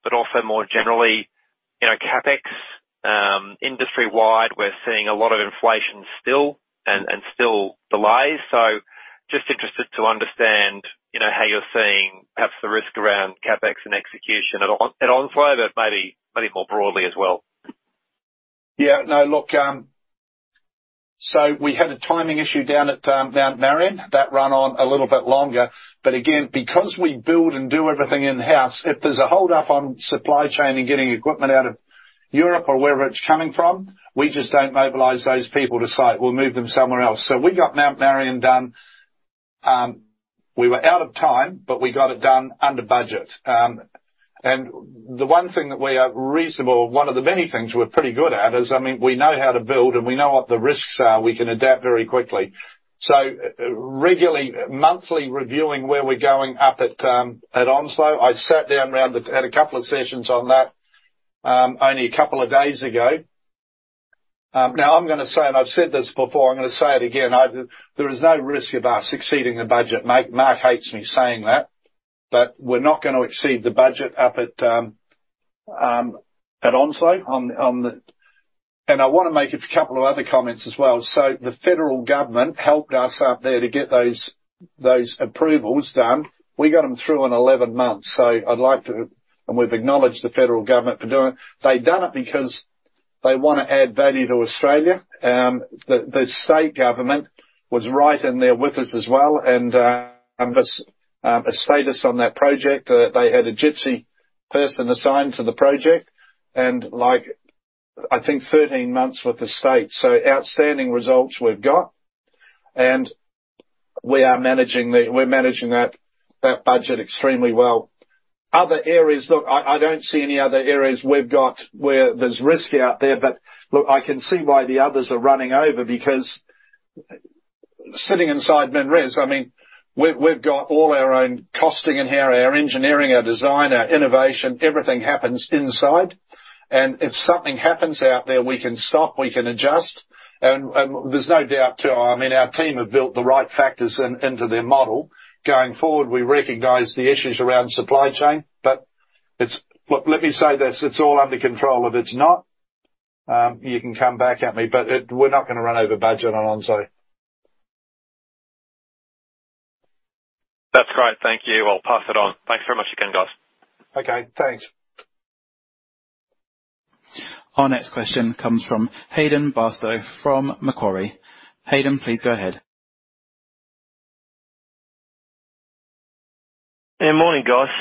but also more generally, you know, CapEx, industry-wide, we're seeing a lot of inflation still and still delays. Just interested to understand, you know, how you're seeing perhaps the risk around CapEx and execution at Onslow, but maybe more broadly as well. Yeah. No, look, we had a timing issue down at Mount Marion that ran on a little bit longer. Again, because we build and do everything in-house, if there's a hold up on supply chain and getting equipment out of Europe or wherever it's coming from, we just don't mobilize those people to site. We'll move them somewhere else. We got Mount Marion done. We were out of time, but we got it done under budget. The one thing that we are reasonable, one of the many things we're pretty good at, is, I mean, we know how to build and we know what the risks are. We can adapt very quickly. Regularly, monthly reviewing where we're going up at Onslow. I sat down around the—had a couple of sessions on that, only a couple of days ago. Now, I'm gonna say, and I've said this before, I'm gonna say it again, there is no risk of us exceeding the budget. Mark hates me saying that, but we're not gonna exceed the budget up at Onslow on the. I want to make a couple of other comments as well. The federal government helped us up there to get those approvals done. We got them through in 11 months, so I'd like to, and we've acknowledged the federal government for doing it. They've done it because they want to add value to Australia. The, the state government was right in there with us as well, as a status on that project. They had a gypsy person assigned to the project, and like, I think 13 months with the state. Outstanding results we've got, and we're managing that budget extremely well. Other areas, look, I don't see any other areas we've got where there's risk out there. Look, I can see why the others are running over, because sitting inside MinRes, I mean, we've got all our own costing in here, our engineering, our design, our innovation, everything happens inside, and if something happens out there, we can stop, we can adjust. And there's no doubt, too, I mean, our team have built the right factors into their model. Going forward, we recognize the issues around supply chain. Look, let me say this, it's all under control. If it's not, you can come back at me. We're not gonna run over budget on Onslow. Great, thank you. I'll pass it on. Thanks very much again, guys. Okay, thanks. Our next question comes from Hayden Bairstow from Macquarie. Hayden, please go ahead. Morning, guys.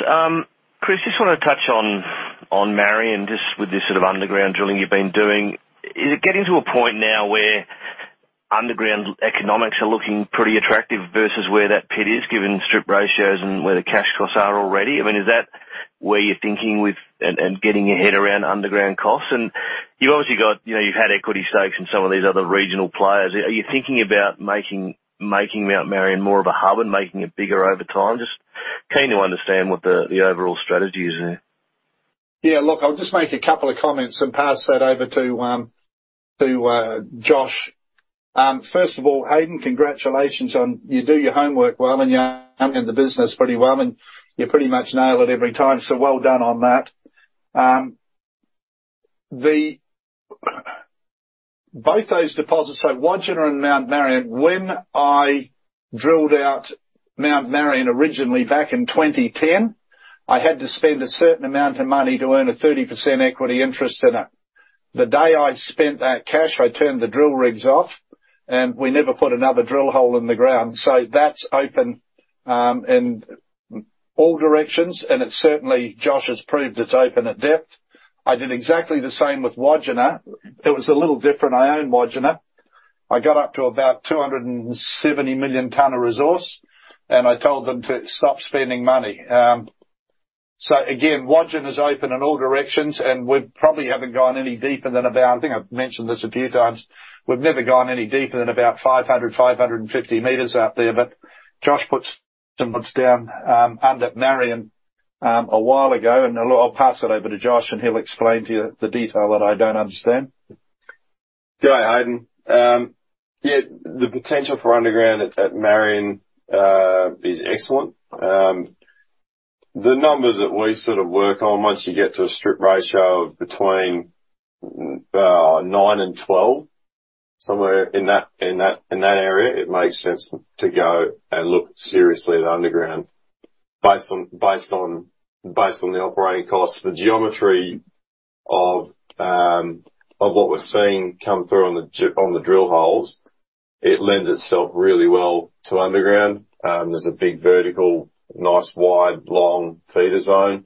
Chris, just wanna touch on Marian, just with this sort of underground drilling you've been doing. Is it getting to a point now where underground economics are looking pretty attractive versus where that pit is, given strip ratios and where the cash costs are already? I mean, is that where you're thinking with, and getting your head around underground costs? You've obviously got, you know, you've had equity stakes in some of these other regional players. Are you thinking about making Mount Marian more of a hub and making it bigger over time? Just keen to understand what the overall strategy is there. Yeah, look, I'll just make a couple of comments and pass that over to Josh. First of all, Hayden, congratulations on—You do your homework well, and you're in the business pretty well, and you pretty much nail it every time, so well done on that. Both those deposits, so Wodgina and Mount Marian, when I drilled out Mount Marian originally back in 2010, I had to spend a certain amount of money to earn a 30% equity interest in it. The day I spent that cash, I turned the drill rigs off, and we never put another drill hole in the ground. That's open in all directions, and it's certainly, Josh has proved it's open at depth. I did exactly the same with Wodgina. It was a little different, I own Wodgina. I got up to about 270 million ton of resource. I told them to stop spending money. Again, Wodgina is open in all directions. We probably haven't gone any deeper than about, I think I've mentioned this a few times, we've never gone any deeper than about 500 meters-550 meters out there. Josh put some down under Marian a while ago. I'll pass it over to Josh, and he'll explain to you the detail that I don't understand. Hi, Hayden. Yeah, the potential for underground at Marian is excellent. The numbers that we sort of work on, once you get to a strip ratio of between 9% and 12%, somewhere in that area, it makes sense to go and look seriously at underground. Based on the operating costs, the geometry of what we're seeing come through on the drill holes, it lends itself really well to underground. There's a big vertical, nice, wide, long feeder zone.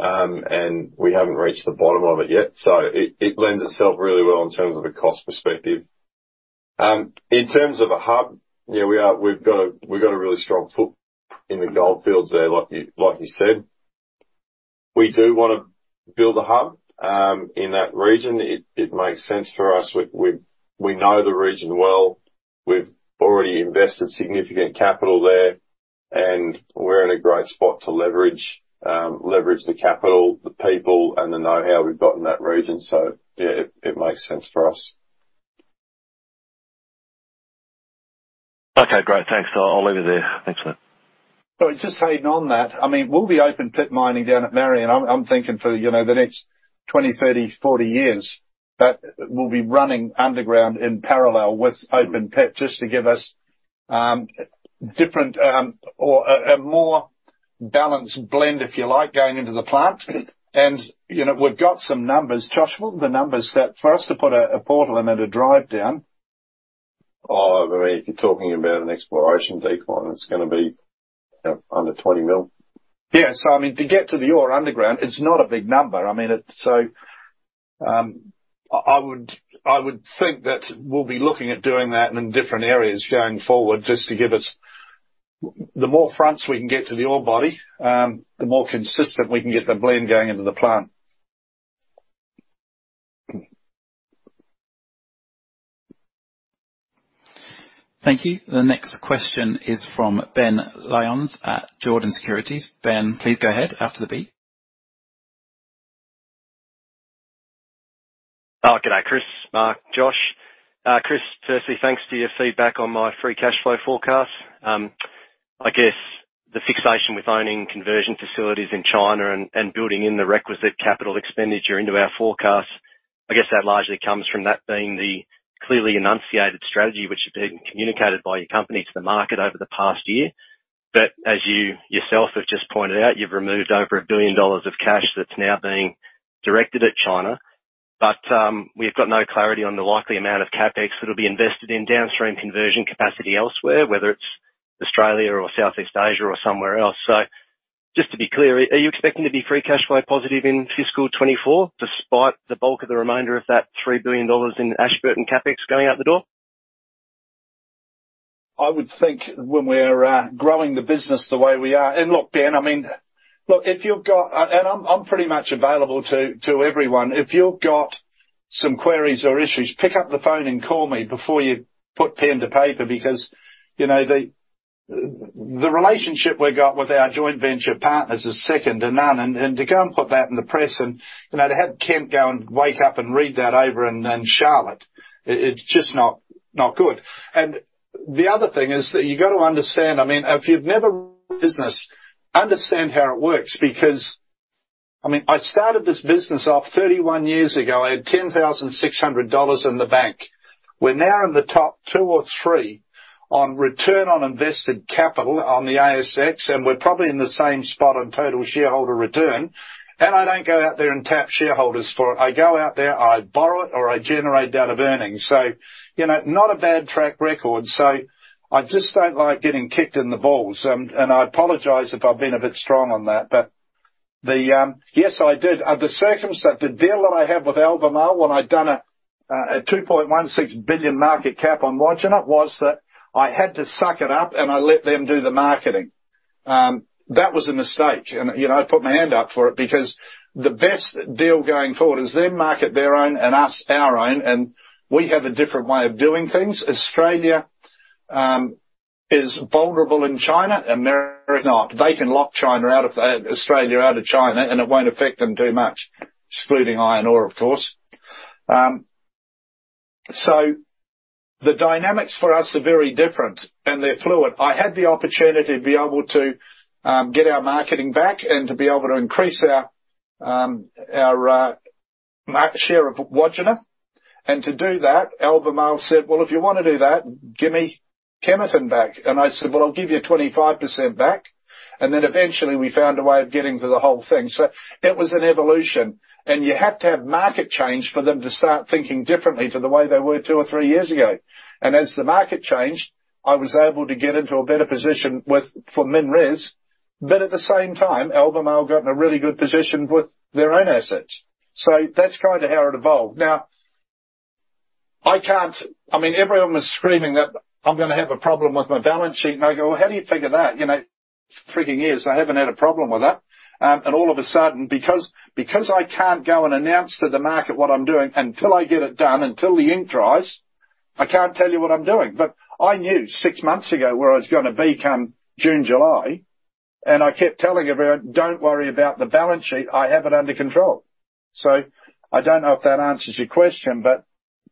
We haven't reached the bottom of it yet. It lends itself really well in terms of a cost perspective. In terms of a hub, yeah, we've got a really strong foot in the gold fields there, like you said. We do wanna build a hub in that region. It makes sense for us. We know the region well. We've already invested significant capital there, and we're in a great spot to leverage the capital, the people, and the know-how we've got in that region. Yeah, it makes sense for us. Okay, great. Thanks. I'll leave it there. Excellent. Just hanging on that, I mean, we'll be open pit mining down at Marian. I'm thinking for, you know, the next 20 years, 30 years, 40 years. We'll be running underground in parallel with open pit, just to give us different, or a more balanced blend, if you like, going into the plant. You know, we've got some numbers. Josh, what are the numbers for us to put a portal and then a drive down? Oh, I mean, if you're talking about an exploration decline, it's gonna be, you know, under 20 million. Yeah. I mean, to get to the ore underground, it's not a big number. I mean, so, I would think that we'll be looking at doing that and in different areas going forward, just to give us. The more fronts we can get to the ore body, the more consistent we can get the blend going into the plant. Thank you. The next question is from Ben Lyons at Jarden Securities. Ben, please go ahead after the beep. Good day, Chris, Mark, Josh. Chris, firstly, thanks for your feedback on my free cash flow forecast. I guess the fixation with owning conversion facilities in China and building in the requisite CapEx into our forecast, I guess that largely comes from that being the clearly enunciated strategy, which has been communicated by your company to the market over the past year. As you yourself have just pointed out, you've removed over 1 billion dollars of cash that's now being directed at China, but we've got no clarity on the likely amount of CapEx that'll be invested in downstream conversion capacity elsewhere, whether it's Australia or Southeast Asia or somewhere else. Just to be clear, are you expecting to be free cash flow positive in fiscal 2024, despite the bulk of the remainder of that 3 billion dollars in Ashburton CapEx going out the door? I would think when we're growing the business the way we are. Look, Ben, I mean, look, if you've got, and I'm pretty much available to everyone. If you've got some queries or issues, pick up the phone and call me before you put pen to paper, because, you know, the relationship we've got with our joint venture partners is second to none. To go and put that in the press and, you know, to have Kent go and wake up and read that over, and Charlotte, it's just not good. The other thing is that you got to understand, I mean, if you've never business, understand how it works, because I mean, I started this business off 31 years ago. I had 10,600 dollars in the bank. We're now in the top two or three on return on invested capital on the ASX, and we're probably in the same spot on total shareholder return. I don't go out there and tap shareholders for it. I go out there, I borrow it, or I generate out of earnings. You know, not a bad track record. I just don't like getting kicked in the balls. I apologize if I've been a bit strong on that, but. Yes, I did. The circumstance, the deal that I had with Albemarle when I'd done a 2.16 billion market cap on Wodgina, was that I had to suck it up, and I let them do the marketing. That was a mistake. You know, I put my hand up for it because the best deal going forward is them market their own and us our own, and we have a different way of doing things. Australia is vulnerable in China, America is not. They can lock China out of Australia out of China, and it won't affect them too much. Excluding iron ore, of course. The dynamics for us are very different and they're fluid. I had the opportunity to be able to get our marketing back and to be able to increase our market share of Wodgina. To do that, Albemarle said, "Well, if you want to do that, give me Kemerton back." I said, "Well, I'll give you 25% back." Eventually we found a way of getting to the whole thing. It was an evolution, and you have to have market change for them to start thinking differently to the way they were two or three years ago. As the market changed, I was able to get into a better position with, for MinRes, but at the same time, Albemarle got in a really good position with their own assets. That's kind of how it evolved. Now, I mean, everyone was screaming that I'm gonna have a problem with my balance sheet, and I go, "Well, how do you figure that?" You know, freaking years, I haven't had a problem with that. And all of a sudden, because I can't go and announce to the market what I'm doing until I get it done, until the ink dries, I can't tell you what I'm doing. I knew six months ago where I was gonna be come June, July, and I kept telling everyone, "Don't worry about the balance sheet, I have it under control." I don't know if that answers your question, but,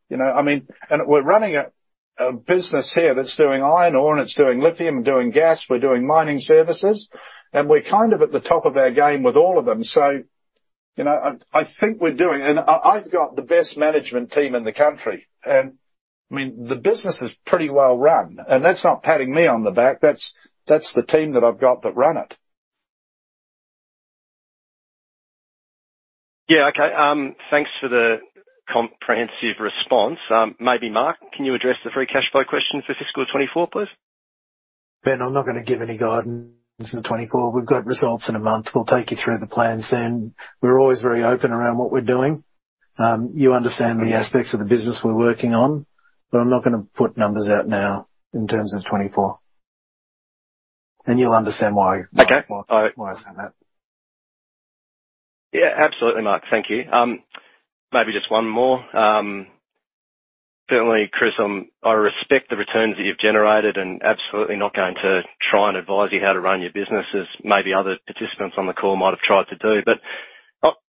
you know, I mean—We're running a business here that's doing iron ore, and it's doing lithium, and doing gas. We're doing mining services, and we're kind of at the top of our game with all of them. You know, I think we're doing... I've got the best management team in the country, and, I mean, the business is pretty well run, and that's not patting me on the back. That's the team that I've got that run it. Yeah. Okay, thanks for the comprehensive response. Maybe, Mark, can you address the free cash flow question for fiscal 2024, please? Ben, I'm not gonna give any guidance in 2024. We've got results in a month. We'll take you through the plans then. We're always very open around what we're doing. You understand the aspects of the business we're working on, but I'm not gonna put numbers out now in terms of 2024. You'll understand why. Okay. Well, why I said that. Yeah, absolutely, Mark. Thank you. Maybe just one more. Certainly, Chris, I respect the returns that you've generated. Absolutely not going to try and advise you how to run your business as maybe other participants on the call might have tried to do.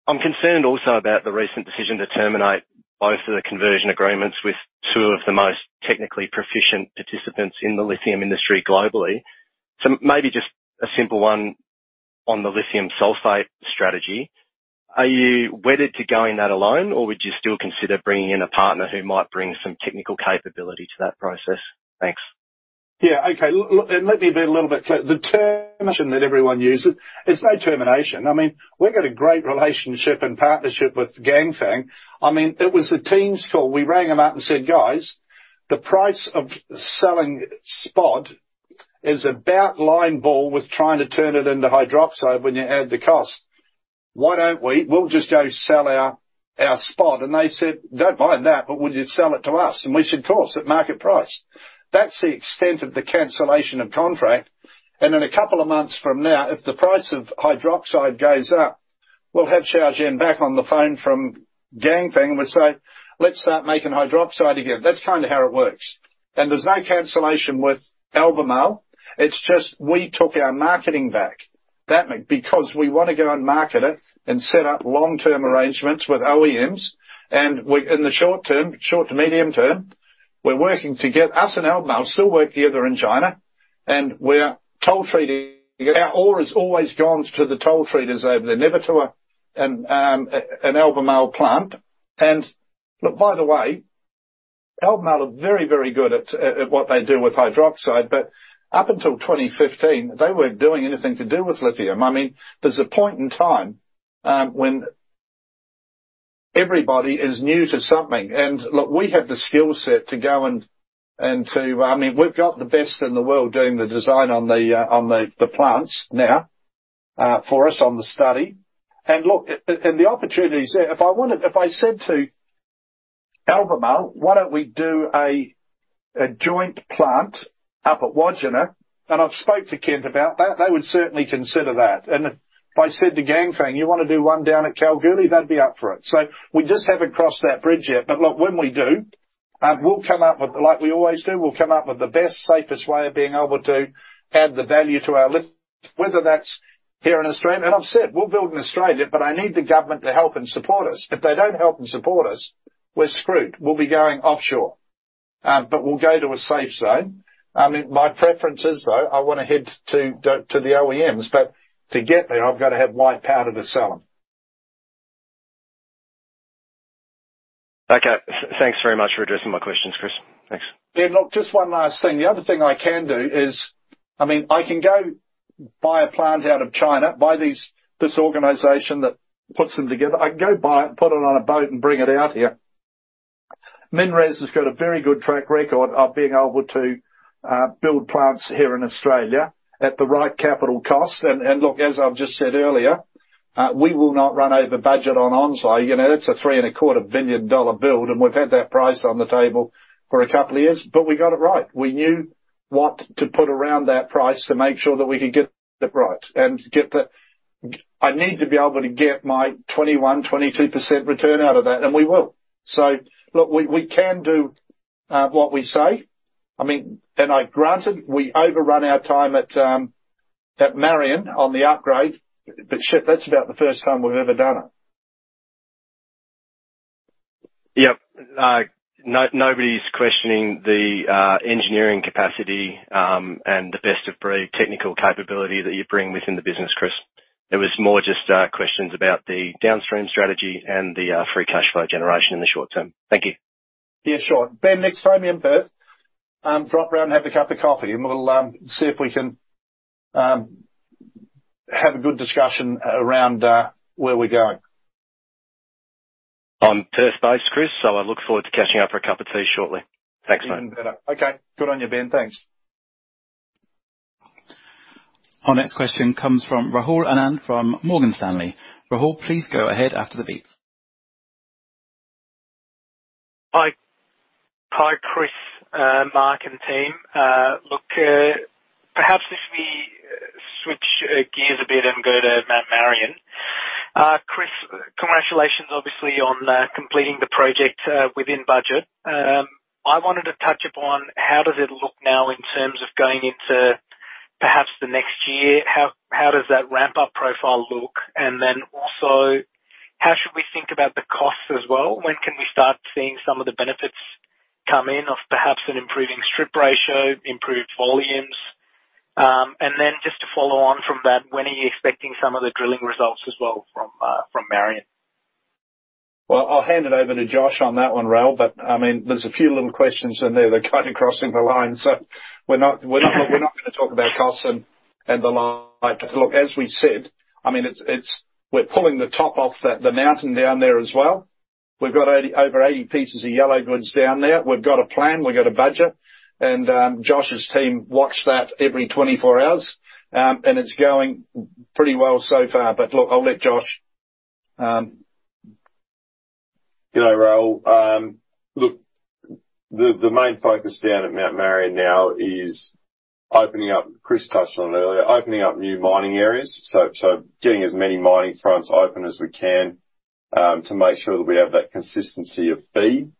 I'm concerned also about the recent decision to terminate both of the conversion agreements with two of the most technically proficient participants in the lithium industry globally. Maybe just a simple one on the lithium sulfate strategy. Are you wedded to going that alone, or would you still consider bringing in a partner who might bring some technical capability to that process? Thanks. Yeah, okay. Let me be a little bit clear. The term that everyone uses, it's no termination. I mean, we've got a great relationship and partnership with Ganfeng. I mean, it was the team's call. We rang them up and said, "Guys, the price of selling spod is about line ball with trying to turn it into hydroxide when you add the cost. Why don't we? We'll just go sell our spod." They said, "Don't mind that, but would you sell it to us?" We said, "Of course, at market price." That's the extent of the cancellation of contract. In a couple of months from now, if the price of hydroxide goes up, we'll have Jiangxi back on the phone from Ganfeng, and we'll say, "Let's start making hydroxide again." That's kind of how it works. There's no cancellation with Albemarle. It's just we took our marketing back. Because we want to go and market it and set up long-term arrangements with OEMs. In the short term, short to medium term, we're working to get us and Albemarle still work together in China, and we're toll treating. Our ore has always gone to the toll treaters over there, uncertain and Albemarle plant. Look, by the way, Albemarle are very, very good at what they do with hydroxide, but up until 2015, they weren't doing anything to do with lithium. I mean, there's a point in time when everybody is new to something, and look, we have the skill set to go and to. I mean, we've got the best in the world doing the design on the plants now for us on the study. Look, the opportunity is there. If I said to Albemarle, "Why don't we do a joint plant up at Wodgina?" I've spoke to Kent about that, they would certainly consider that. If I said to Ganfeng, "You want to do one down at Kalgoorlie?" They'd be up for it. We just haven't crossed that bridge yet. Look, when we do, we'll come up with, like we always do, we'll come up with the best, safest way of being able to add the value to our. Whether that's here in Australia, and I've said we'll build in Australia, but I need the government to help and support us. If they don't help and support us, we're screwed. We'll be going offshore. We'll go to a safe zone. I mean, my preference is, though, I want to head to the OEMs, but to get there, I've got to have white powder to sell them. Okay. Thanks very much for addressing my questions, Chris. Thanks. Yeah, look, just one last thing. The other thing I can do is, I mean, I can go buy a plant out of China, buy this organization that puts them together. I can go buy it, put it on a boat, bring it out here. MinRes has got a very good track record of being able to build plants here in Australia at the right capital cost. Look, as I've just said earlier, we will not run over budget on onsite. You know, that's a 3.25 billion dollar build, we've had that price on the table for a couple of years, we got it right. We knew what to put around that price to make sure that we could get it right. I need to be able to get my 21%-22% return out of that, and we will. Look, we can do what we say. I mean, granted, we overrun our time at Marian on the upgrade, but that's about the first time we've ever done it. Yep. Nobody's questioning the engineering capacity, and the best of breed technical capability that you bring within the business, Chris. It was more just questions about the downstream strategy and the free cash flow generation in the short term. Thank you. Yeah, sure. Ben, next time you're in Perth, drop around and have a cup of coffee, and we'll see if we can have a good discussion around where we're going. I'm Perth-based, Chris, so I look forward to catching up for a cup of tea shortly. Thanks, man. Even better. Okay. Good on you, Ben. Thanks. Our next question comes from Rahul Anand from Morgan Stanley. Rahul, please go ahead after the beep. Hi. Hi, Chris, Mark, and team. Look, perhaps if we switch gears a bit and go to Mount Marion. Chris, congratulations, obviously, on completing the project within budget. I wanted to touch upon, how does it look now in terms of going into perhaps the next year? How does that ramp-up profile look? Also, how should we think about the costs as well? When can we start seeing some of the benefits come in of perhaps an improving strip ratio, improved volumes? Just to follow on from that, when are you expecting some of the drilling results as well from Marion? I'll hand it over to Josh on that one, Rahul, I mean, there's a few little questions in there that are kind of crossing the line. We're not gonna talk about costs and the like. Look, as we said, I mean, it's, we're pulling the top off the mountain down there as well. We've got 80, over 80 pieces of yellow goods down there. We've got a plan, we've got a budget, and Josh's team watch that every 24 hours. It's going pretty well so far. Look, I'll let Josh. Hi, Rahul. look, the main focus down at Mount Marian now is opening up. Chris touched on it earlier, opening up new mining areas, so getting as many mining fronts open as we can to make sure that we have that consistency of feed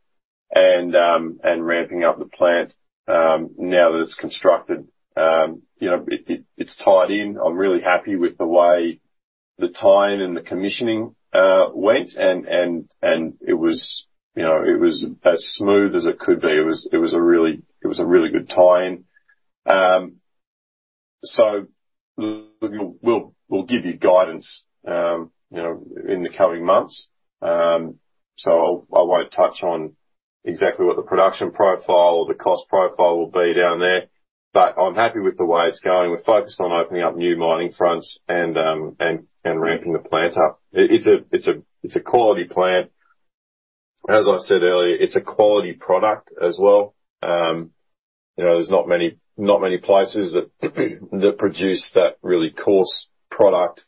and ramping up the plant now that it's constructed. you know, it's tied in. I'm really happy with the way the tie-in and the commissioning went. it was, you know, it was as smooth as it could be. It was a really good tie-in. we'll give you guidance, you know, in the coming months. I won't touch on exactly what the production profile or the cost profile will be down there, but I'm happy with the way it's going. We're focused on opening up new mining fronts and ramping the plant up. It's a quality plant. As I said earlier, it's a quality product as well. You know, there's not many places that produce that really coarse product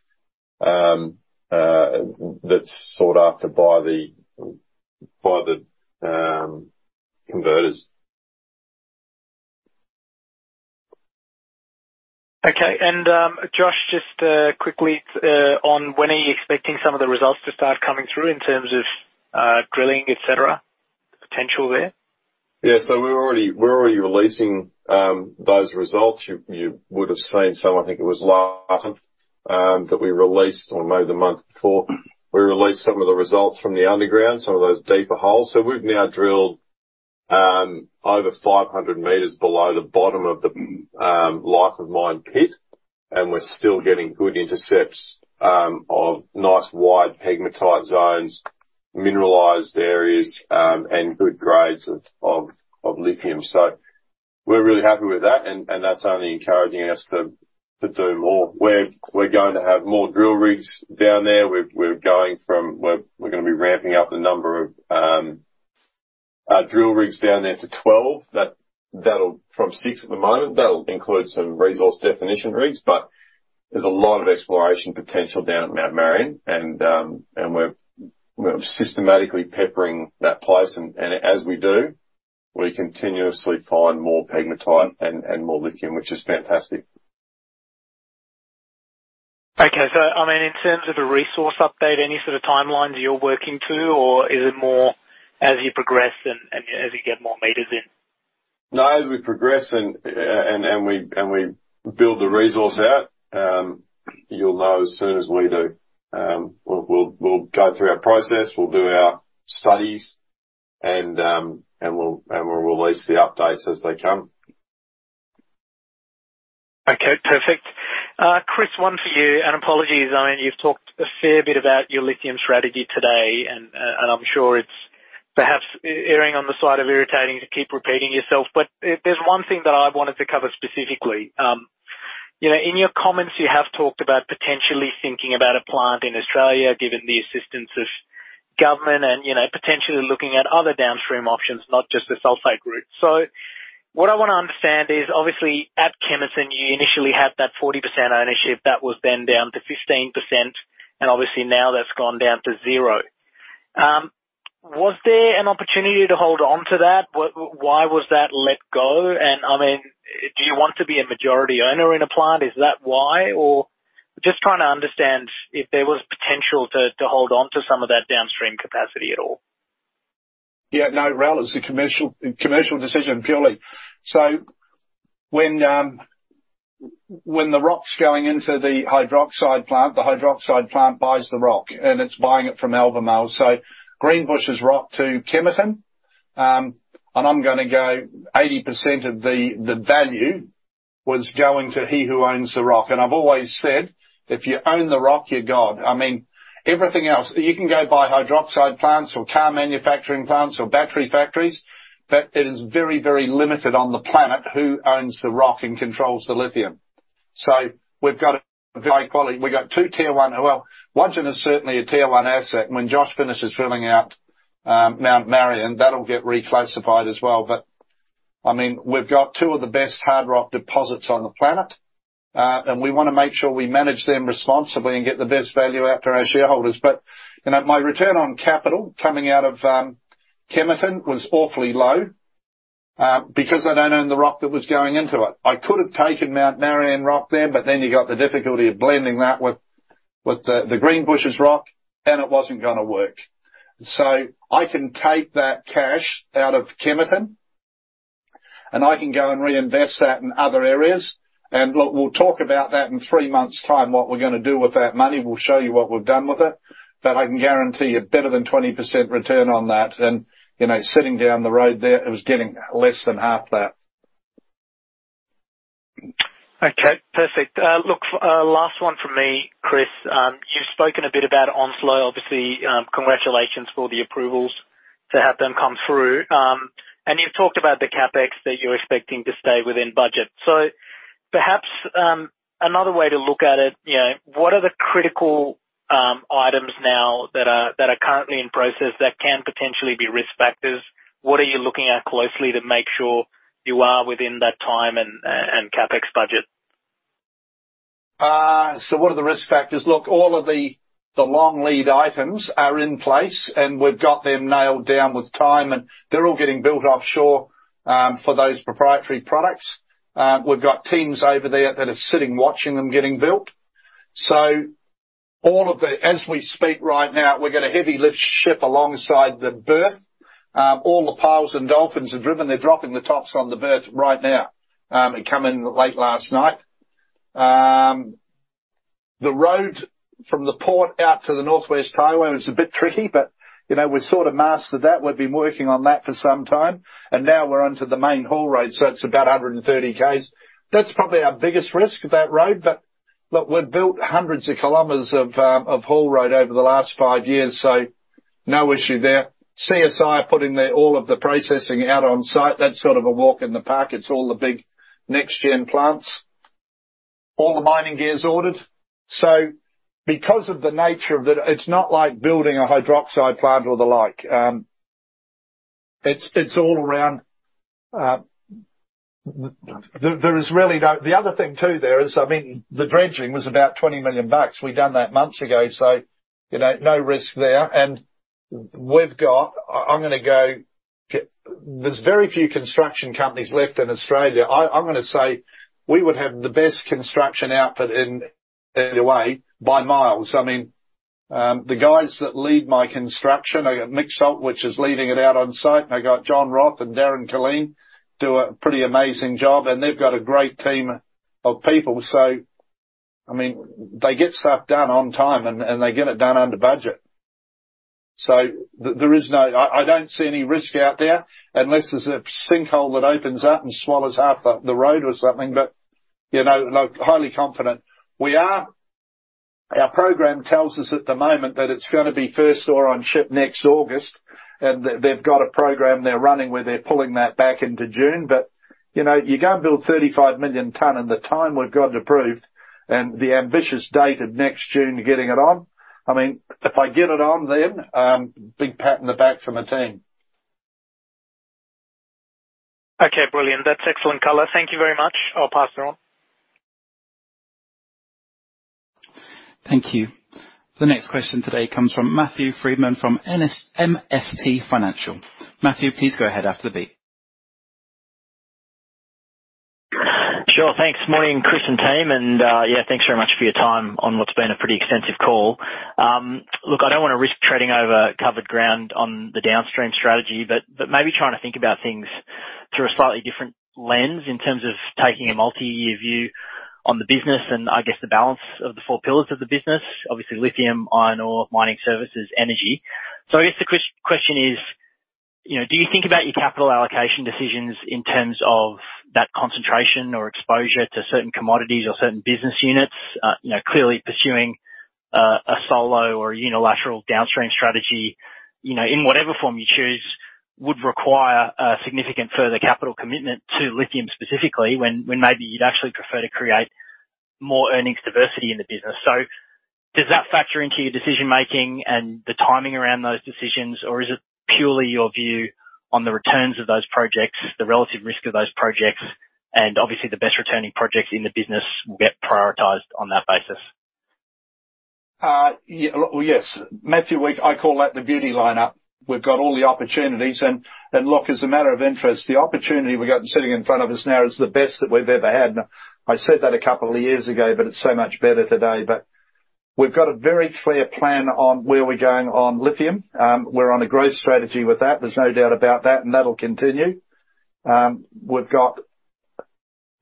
that's sought after by the converters. Okay. Josh, just quickly on when are you expecting some of the results to start coming through in terms of drilling, et cetera, potential there? We're already releasing those results. You would've seen some, I think it was last month, that we released, or maybe the month before. We released some of the results from the underground, some of those deeper holes. We've now drilled over 500 meters below the bottom of the life of mine pit, and we're still getting good intercepts of nice wide pegmatite zones, mineralized areas, and good grades of lithium. We're really happy with that, and that's only encouraging us to do more. We're going to have more drill rigs down there. We're going to be ramping up the number of drill rigs down there to 12 from 6 at the moment. That'll include some resource definition rigs, but there's a lot of exploration potential down at Mount Marian, and we're systematically peppering that place. As we do, we continuously find more pegmatite and more lithium, which is fantastic. Okay. I mean, in terms of a resource update, any sort of timelines you're working to, or is it more as you progress and as you get more meters in? No, as we progress and we build the resource out, you'll know as soon as we do. We'll go through our process, we'll do our studies, and we'll release the updates as they come. Okay, perfect. Chris, one for you, apologies. I mean, you've talked a fair bit about your lithium strategy today, and I'm sure it's perhaps erring on the side of irritating to keep repeating yourself. There's one thing that I wanted to cover specifically. You know, in your comments, you have talked about potentially thinking about a plant in Australia, given the assistance of government and, you know, potentially looking at other downstream options, not just the sulfate route. What I want to understand is, obviously, at Kemerton, you initially had that 40% ownership, that was then down to 15%, and obviously now that's gone down to zero. Was there an opportunity to hold on to that? Why was that let go? I mean, do you want to be a majority owner in a plant? Is that why? Just trying to understand if there was potential to hold on to some of that downstream capacity at all. Yeah, no, Rahul, it's a commercial decision, purely. When the rock's going into the hydroxide plant, the hydroxide plant buys the rock, and it's buying it from Alba Mill. Greenbushes rock to Kemerton, and I'm gonna go 80% of the value was going to he who owns the rock. I've always said, "If you own the rock, you're god." I mean, everything else. You can go buy hydroxide plants or car manufacturing plants or battery factories, but it is very, very limited on the planet who owns the rock and controls the lithium. We've got two Tier one. Well, Wodgina is certainly a Tier one asset. When Josh finishes filling out Mount Marion, that'll get reclassified as well. I mean, we've got two of the best hard rock deposits on the planet, and we want to make sure we manage them responsibly and get the best value out for our shareholders. You know, my return on capital coming out of Kemerton was awfully low, because I don't own the rock that was going into it. I could have taken Mount Marion rock there, but then you got the difficulty of blending that with the Greenbushes rock, and it wasn't gonna work. I can take that cash out of Kemerton, and I can go and reinvest that in other areas. Look, we'll talk about that in three months' time, what we're gonna do with that money. We'll show you what we've done with it, but I can guarantee a better than 20% return on that, you know, sitting down the road there, it was getting less than half that. Okay, perfect. look, last one from me, Chris. You've spoken a bit about Onslow, obviously. Congratulations for the approvals to have them come through. You've talked about the CapEx that you're expecting to stay within budget. Perhaps, another way to look at it, you know, what are the critical items now that are currently in process that can potentially be risk factors? What are you looking at closely to make sure you are within that time and CapEx budget? What are the risk factors? Look, all of the long lead items are in place, and we've got them nailed down with time, and they're all getting built offshore for those proprietary products. We've got teams over there that are sitting, watching them getting built. All of the as we speak right now, we've got a heavy lift ship alongside the berth. All the piles and dolphins are driven. They're dropping the tops on the berth right now, it come in late last night. The road from the port out to the Northwest Highway was a bit tricky, but, you know, we've sort of mastered that. We've been working on that for some time, and now we're onto the main haul road, so it's about 130 Ks. That's probably our biggest risk, that road, but we've built hundreds of kilometers of haul road over the last five years, so no issue there. CSI are putting all of the processing out on site. That's sort of a walk in the park. It's all the big next-gen plants. All the mining gear is ordered. Because of the nature of the... It's not like building a hydroxide plant or the like. It's all around, there is really no- the other thing, too, there is, I mean, the dredging was about 20 million bucks. We've done that months ago, so, you know, no risk there. We've got—I'm gonna go, there's very few construction companies left in Australia. I'm gonna say we would have the best construction output in any way, by miles. I mean, the guys that lead my construction, I got Milk Salt, which is leading it out on site, and I got Jonathon Roth and Darren Killeen, do a pretty amazing job, and they've got a great team of people. I mean, they get stuff done on time and they get it done under budget. There is no risk out there unless there's a sinkhole that opens up and swallows half the road or something. You know, look, highly confident. Our program tells us at the moment that it's gonna be first ore on ship next August, and they've got a program they're running, where they're pulling that back into June. You know, you can't build 35 million tons in the time we've got approved and the ambitious date of next June to getting it on. I mean, if I get it on then, big pat on the back from the team. Okay, brilliant. That's excellent color. Thank you very much. I'll pass it on. Thank you. The next question today comes from Matthew Freedman, from MST Financial. Matthew, please go ahead after the beep. Sure. Thanks. Morning, Chris and team, yeah, thanks very much for your time on what's been a pretty extensive call. Look, I don't wanna risk treading over covered ground on the downstream strategy, but maybe trying to think about things through a slightly different lens in terms of taking a multi-year view on the business, and I guess the balance of the four pillars of the business, obviously, lithium, iron ore, mining services, energy. I guess the question is, you know, do you think about your capital allocation decisions in terms of that concentration or exposure to certain commodities or certain business units? you know, clearly pursuing a solo or a unilateral downstream strategy, you know, in whatever form you choose, would require a significant further capital commitment to lithium specifically, when maybe you'd actually prefer to create more earnings diversity in the business. Does that factor into your decision-making and the timing around those decisions? Is it purely your view on the returns of those projects, the relative risk of those projects, and obviously the best returning projects in the business will get prioritized on that basis? Yeah. Well, yes, Matthew, I call that the beauty lineup. We've got all the opportunities. Look, as a matter of interest, the opportunity we've got sitting in front of us now is the best that we've ever had. I said that a couple of years ago, but it's so much better today. We've got a very clear plan on where we're going on lithium. We're on a growth strategy with that. There's no doubt about that, and that'll continue. We've got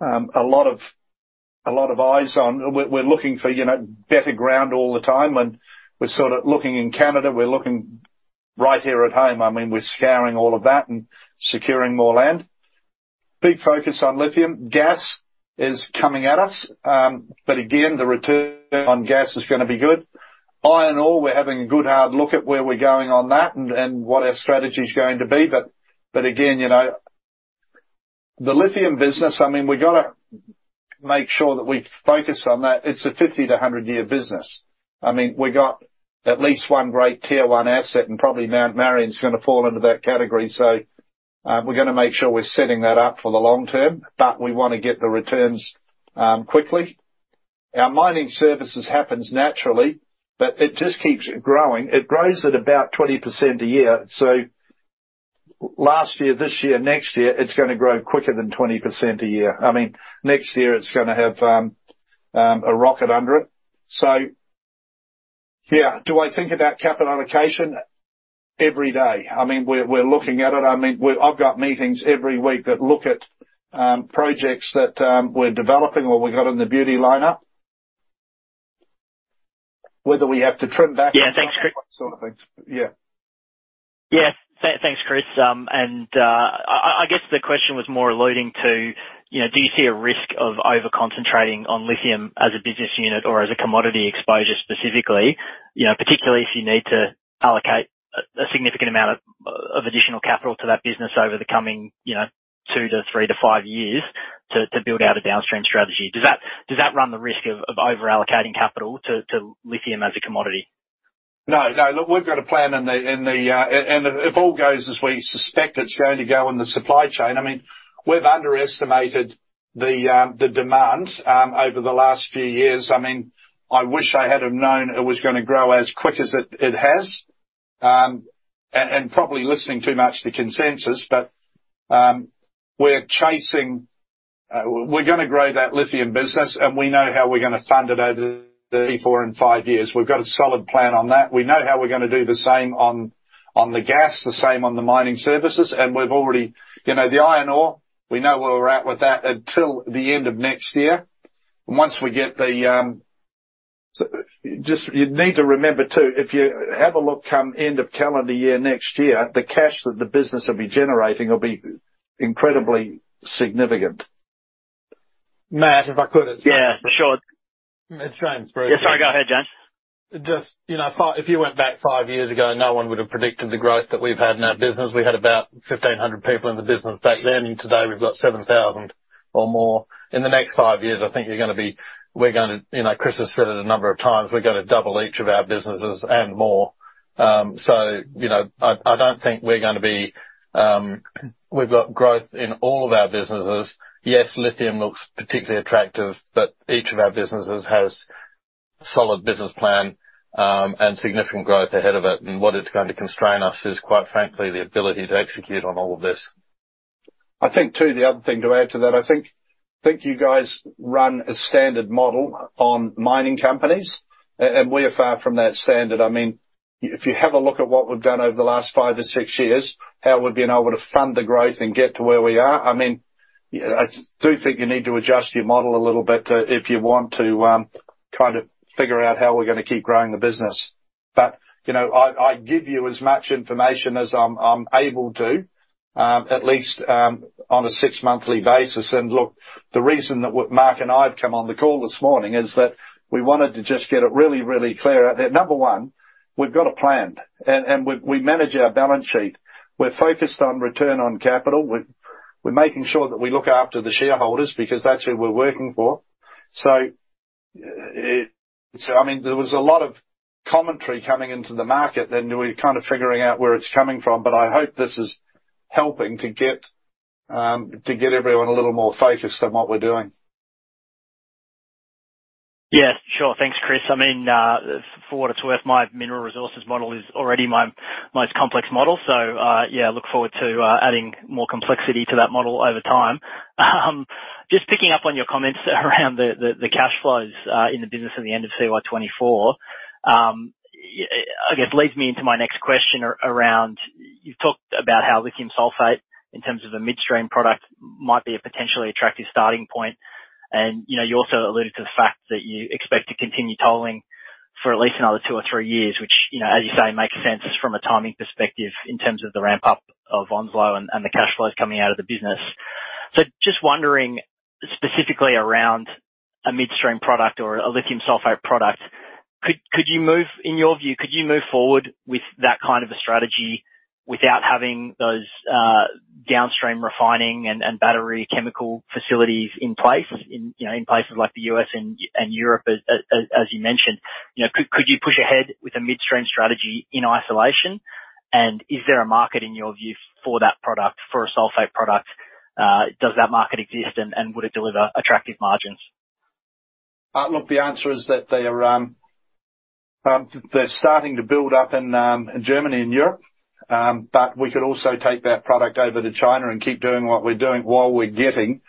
a lot of eyes on. We're looking for, you know, better ground all the time, and we're sort of looking in Canada. We're looking right here at home. I mean, we're scouring all of that and securing more land. Big focus on lithium. Gas is coming at us, again, the return on gas is gonna be good. Iron ore, we're having a good, hard look at where we're going on that and what our strategy is going to be. Again, you know, the lithium business, I mean, we've gotta make sure that we focus on that. It's a 50-100-year business. I mean, we got at least one great tier one asset, and probably Mount Marion is gonna fall into that category. We're gonna make sure we're setting that up for the long term, but we wanna get the returns quickly. Our mining services happens naturally, but it just keeps growing. It grows at about 20% a year, last year, this year, next year, it's gonna grow quicker than 20% a year. I mean, next year, it's gonna have a rocket under it. Yeah. Do I think about capital allocation? Every day. I mean, we're looking at it. I mean, I've got meetings every week that look at projects that we're developing or we've got in the beauty lineup. Whether we have to trim back- Yeah, thanks, Chris. Sort of things. Yeah. Yeah. Thanks, Chris. I guess the question was more alluding to, you know, do you see a risk of over-concentrating on lithium as a business unit or as a commodity exposure specifically, you know, particularly if you need to allocate a significant amount of additional capital to that business over the coming, you know, two to three to five years to build out a downstream strategy? Does that run the risk of over-allocating capital to lithium as a commodity? No. No. Look, we've got a plan. If all goes as we suspect it's going to go in the supply chain, I mean, we've underestimated the demand over the last few years. I mean, I wish I had have known it was gonna grow as quick as it has, and probably listening too much to consensus. We're chasing, we're gonna grow that lithium business, and we know how we're gonna fund it over three, four, and five years. We've got a solid plan on that. We know how we're gonna do the same on the gas, the same on the mining services. You know, the iron ore, we know where we're at with that until the end of next year. Once we get the, just you'd need to remember, too, if you have a look, come end of calendar year, next year, the cash that the business will be generating will be incredibly significant. Matt, if I could. Yeah, sure. It's James Bruce. Yeah. Sorry. Go ahead, James. Just, you know, if you went back 5 years ago, no one would have predicted the growth that we've had in our business. We had about 1,500 people in the business back then, and today we've got 7,000 or more. In the next 5 years, I think we're gonna, you know, Chris has said it a number of times, we're gonna double each of our businesses and more. you know, I don't think we're gonna be... We've got growth in all of our businesses. Yes, lithium looks particularly attractive, but each of our businesses has a solid business plan and significant growth ahead of it. What it's going to constrain us is, quite frankly, the ability to execute on all of this. I think, too, the other thing to add to that, I think, you guys run a standard model on mining companies, and we are far from that standard. I mean, if you have a look at what we've done over the last 5 to 6 years, how we've been able to fund the growth and get to where we are, I mean, I do think you need to adjust your model a little bit, if you want to, kind of figure out how we're gonna keep growing the business. You know, I give you as much information as I'm able to, at least, on a 6-monthly basis. Look, the reason that Mark and I have come on the call this morning is that we wanted to just get it really, really clear out that, number one, we've got a plan, and we manage our balance sheet. We're focused on return on capital. We're making sure that we look after the shareholders because that's who we're working for. I mean, there was a lot of commentary coming into the market, and we're kind of figuring out where it's coming from, but I hope this is helping to get everyone a little more focused on what we're doing. Yeah, sure. Thanks, Chris. I mean, for what it's worth, my Mineral Resources model is already my most complex model. Yeah, I look forward to adding more complexity to that model over time. Just picking up on your comments around the cash flows in the business at the end of FY 2024, I guess, leads me into my next question around—You've talked about how lithium sulfate, in terms of a midstream product, might be a potentially attractive starting point. You know, you also alluded to the fact that you expect to continue tolling for at least another two or three years, which, you know, as you say, makes sense from a timing perspective in terms of the ramp-up of Onslow and the cash flows coming out of the business. Just wondering, specifically around a midstream product or a lithium sulfate product, could you move, in your view, could you move forward with that kind of a strategy without having those downstream refining and battery chemical facilities in place, in, you know, in places like the U.S. and Europe, as you mentioned? You know, could you push ahead with a midstream strategy in isolation? Is there a market, in your view, for that product, for a sulfate product? Does that market exist, and would it deliver attractive margins? Look, the answer is that they are, they're starting to build up in Germany and Europe. We could also take that product over to China and keep doing what we're doing while we're getting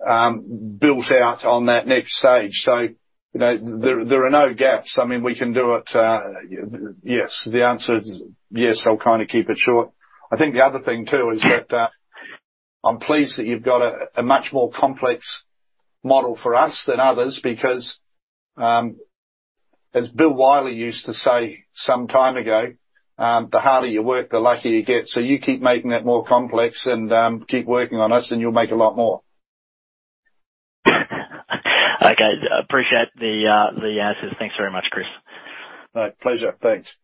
built out on that next stage. You know, there are no gaps. I mean, we can do it. Yes, the answer is yes. I'll kind of keep it short. I think the other thing, too, is that I'm pleased that you've got a much more complex model for us than others, because as Bill Wyllie used to say some time ago, "The harder you work, the luckier you get." You keep making that more complex and keep working on us, and you'll make a lot more. Okay. Appreciate the answers. Thanks very much, Chris. My pleasure. Thanks.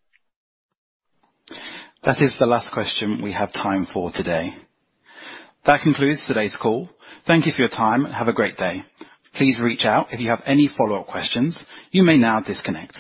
That is the last question we have time for today. That concludes today's call. Thank you for your time, and have a great day. Please reach out if you have any follow-up questions. You may now disconnect.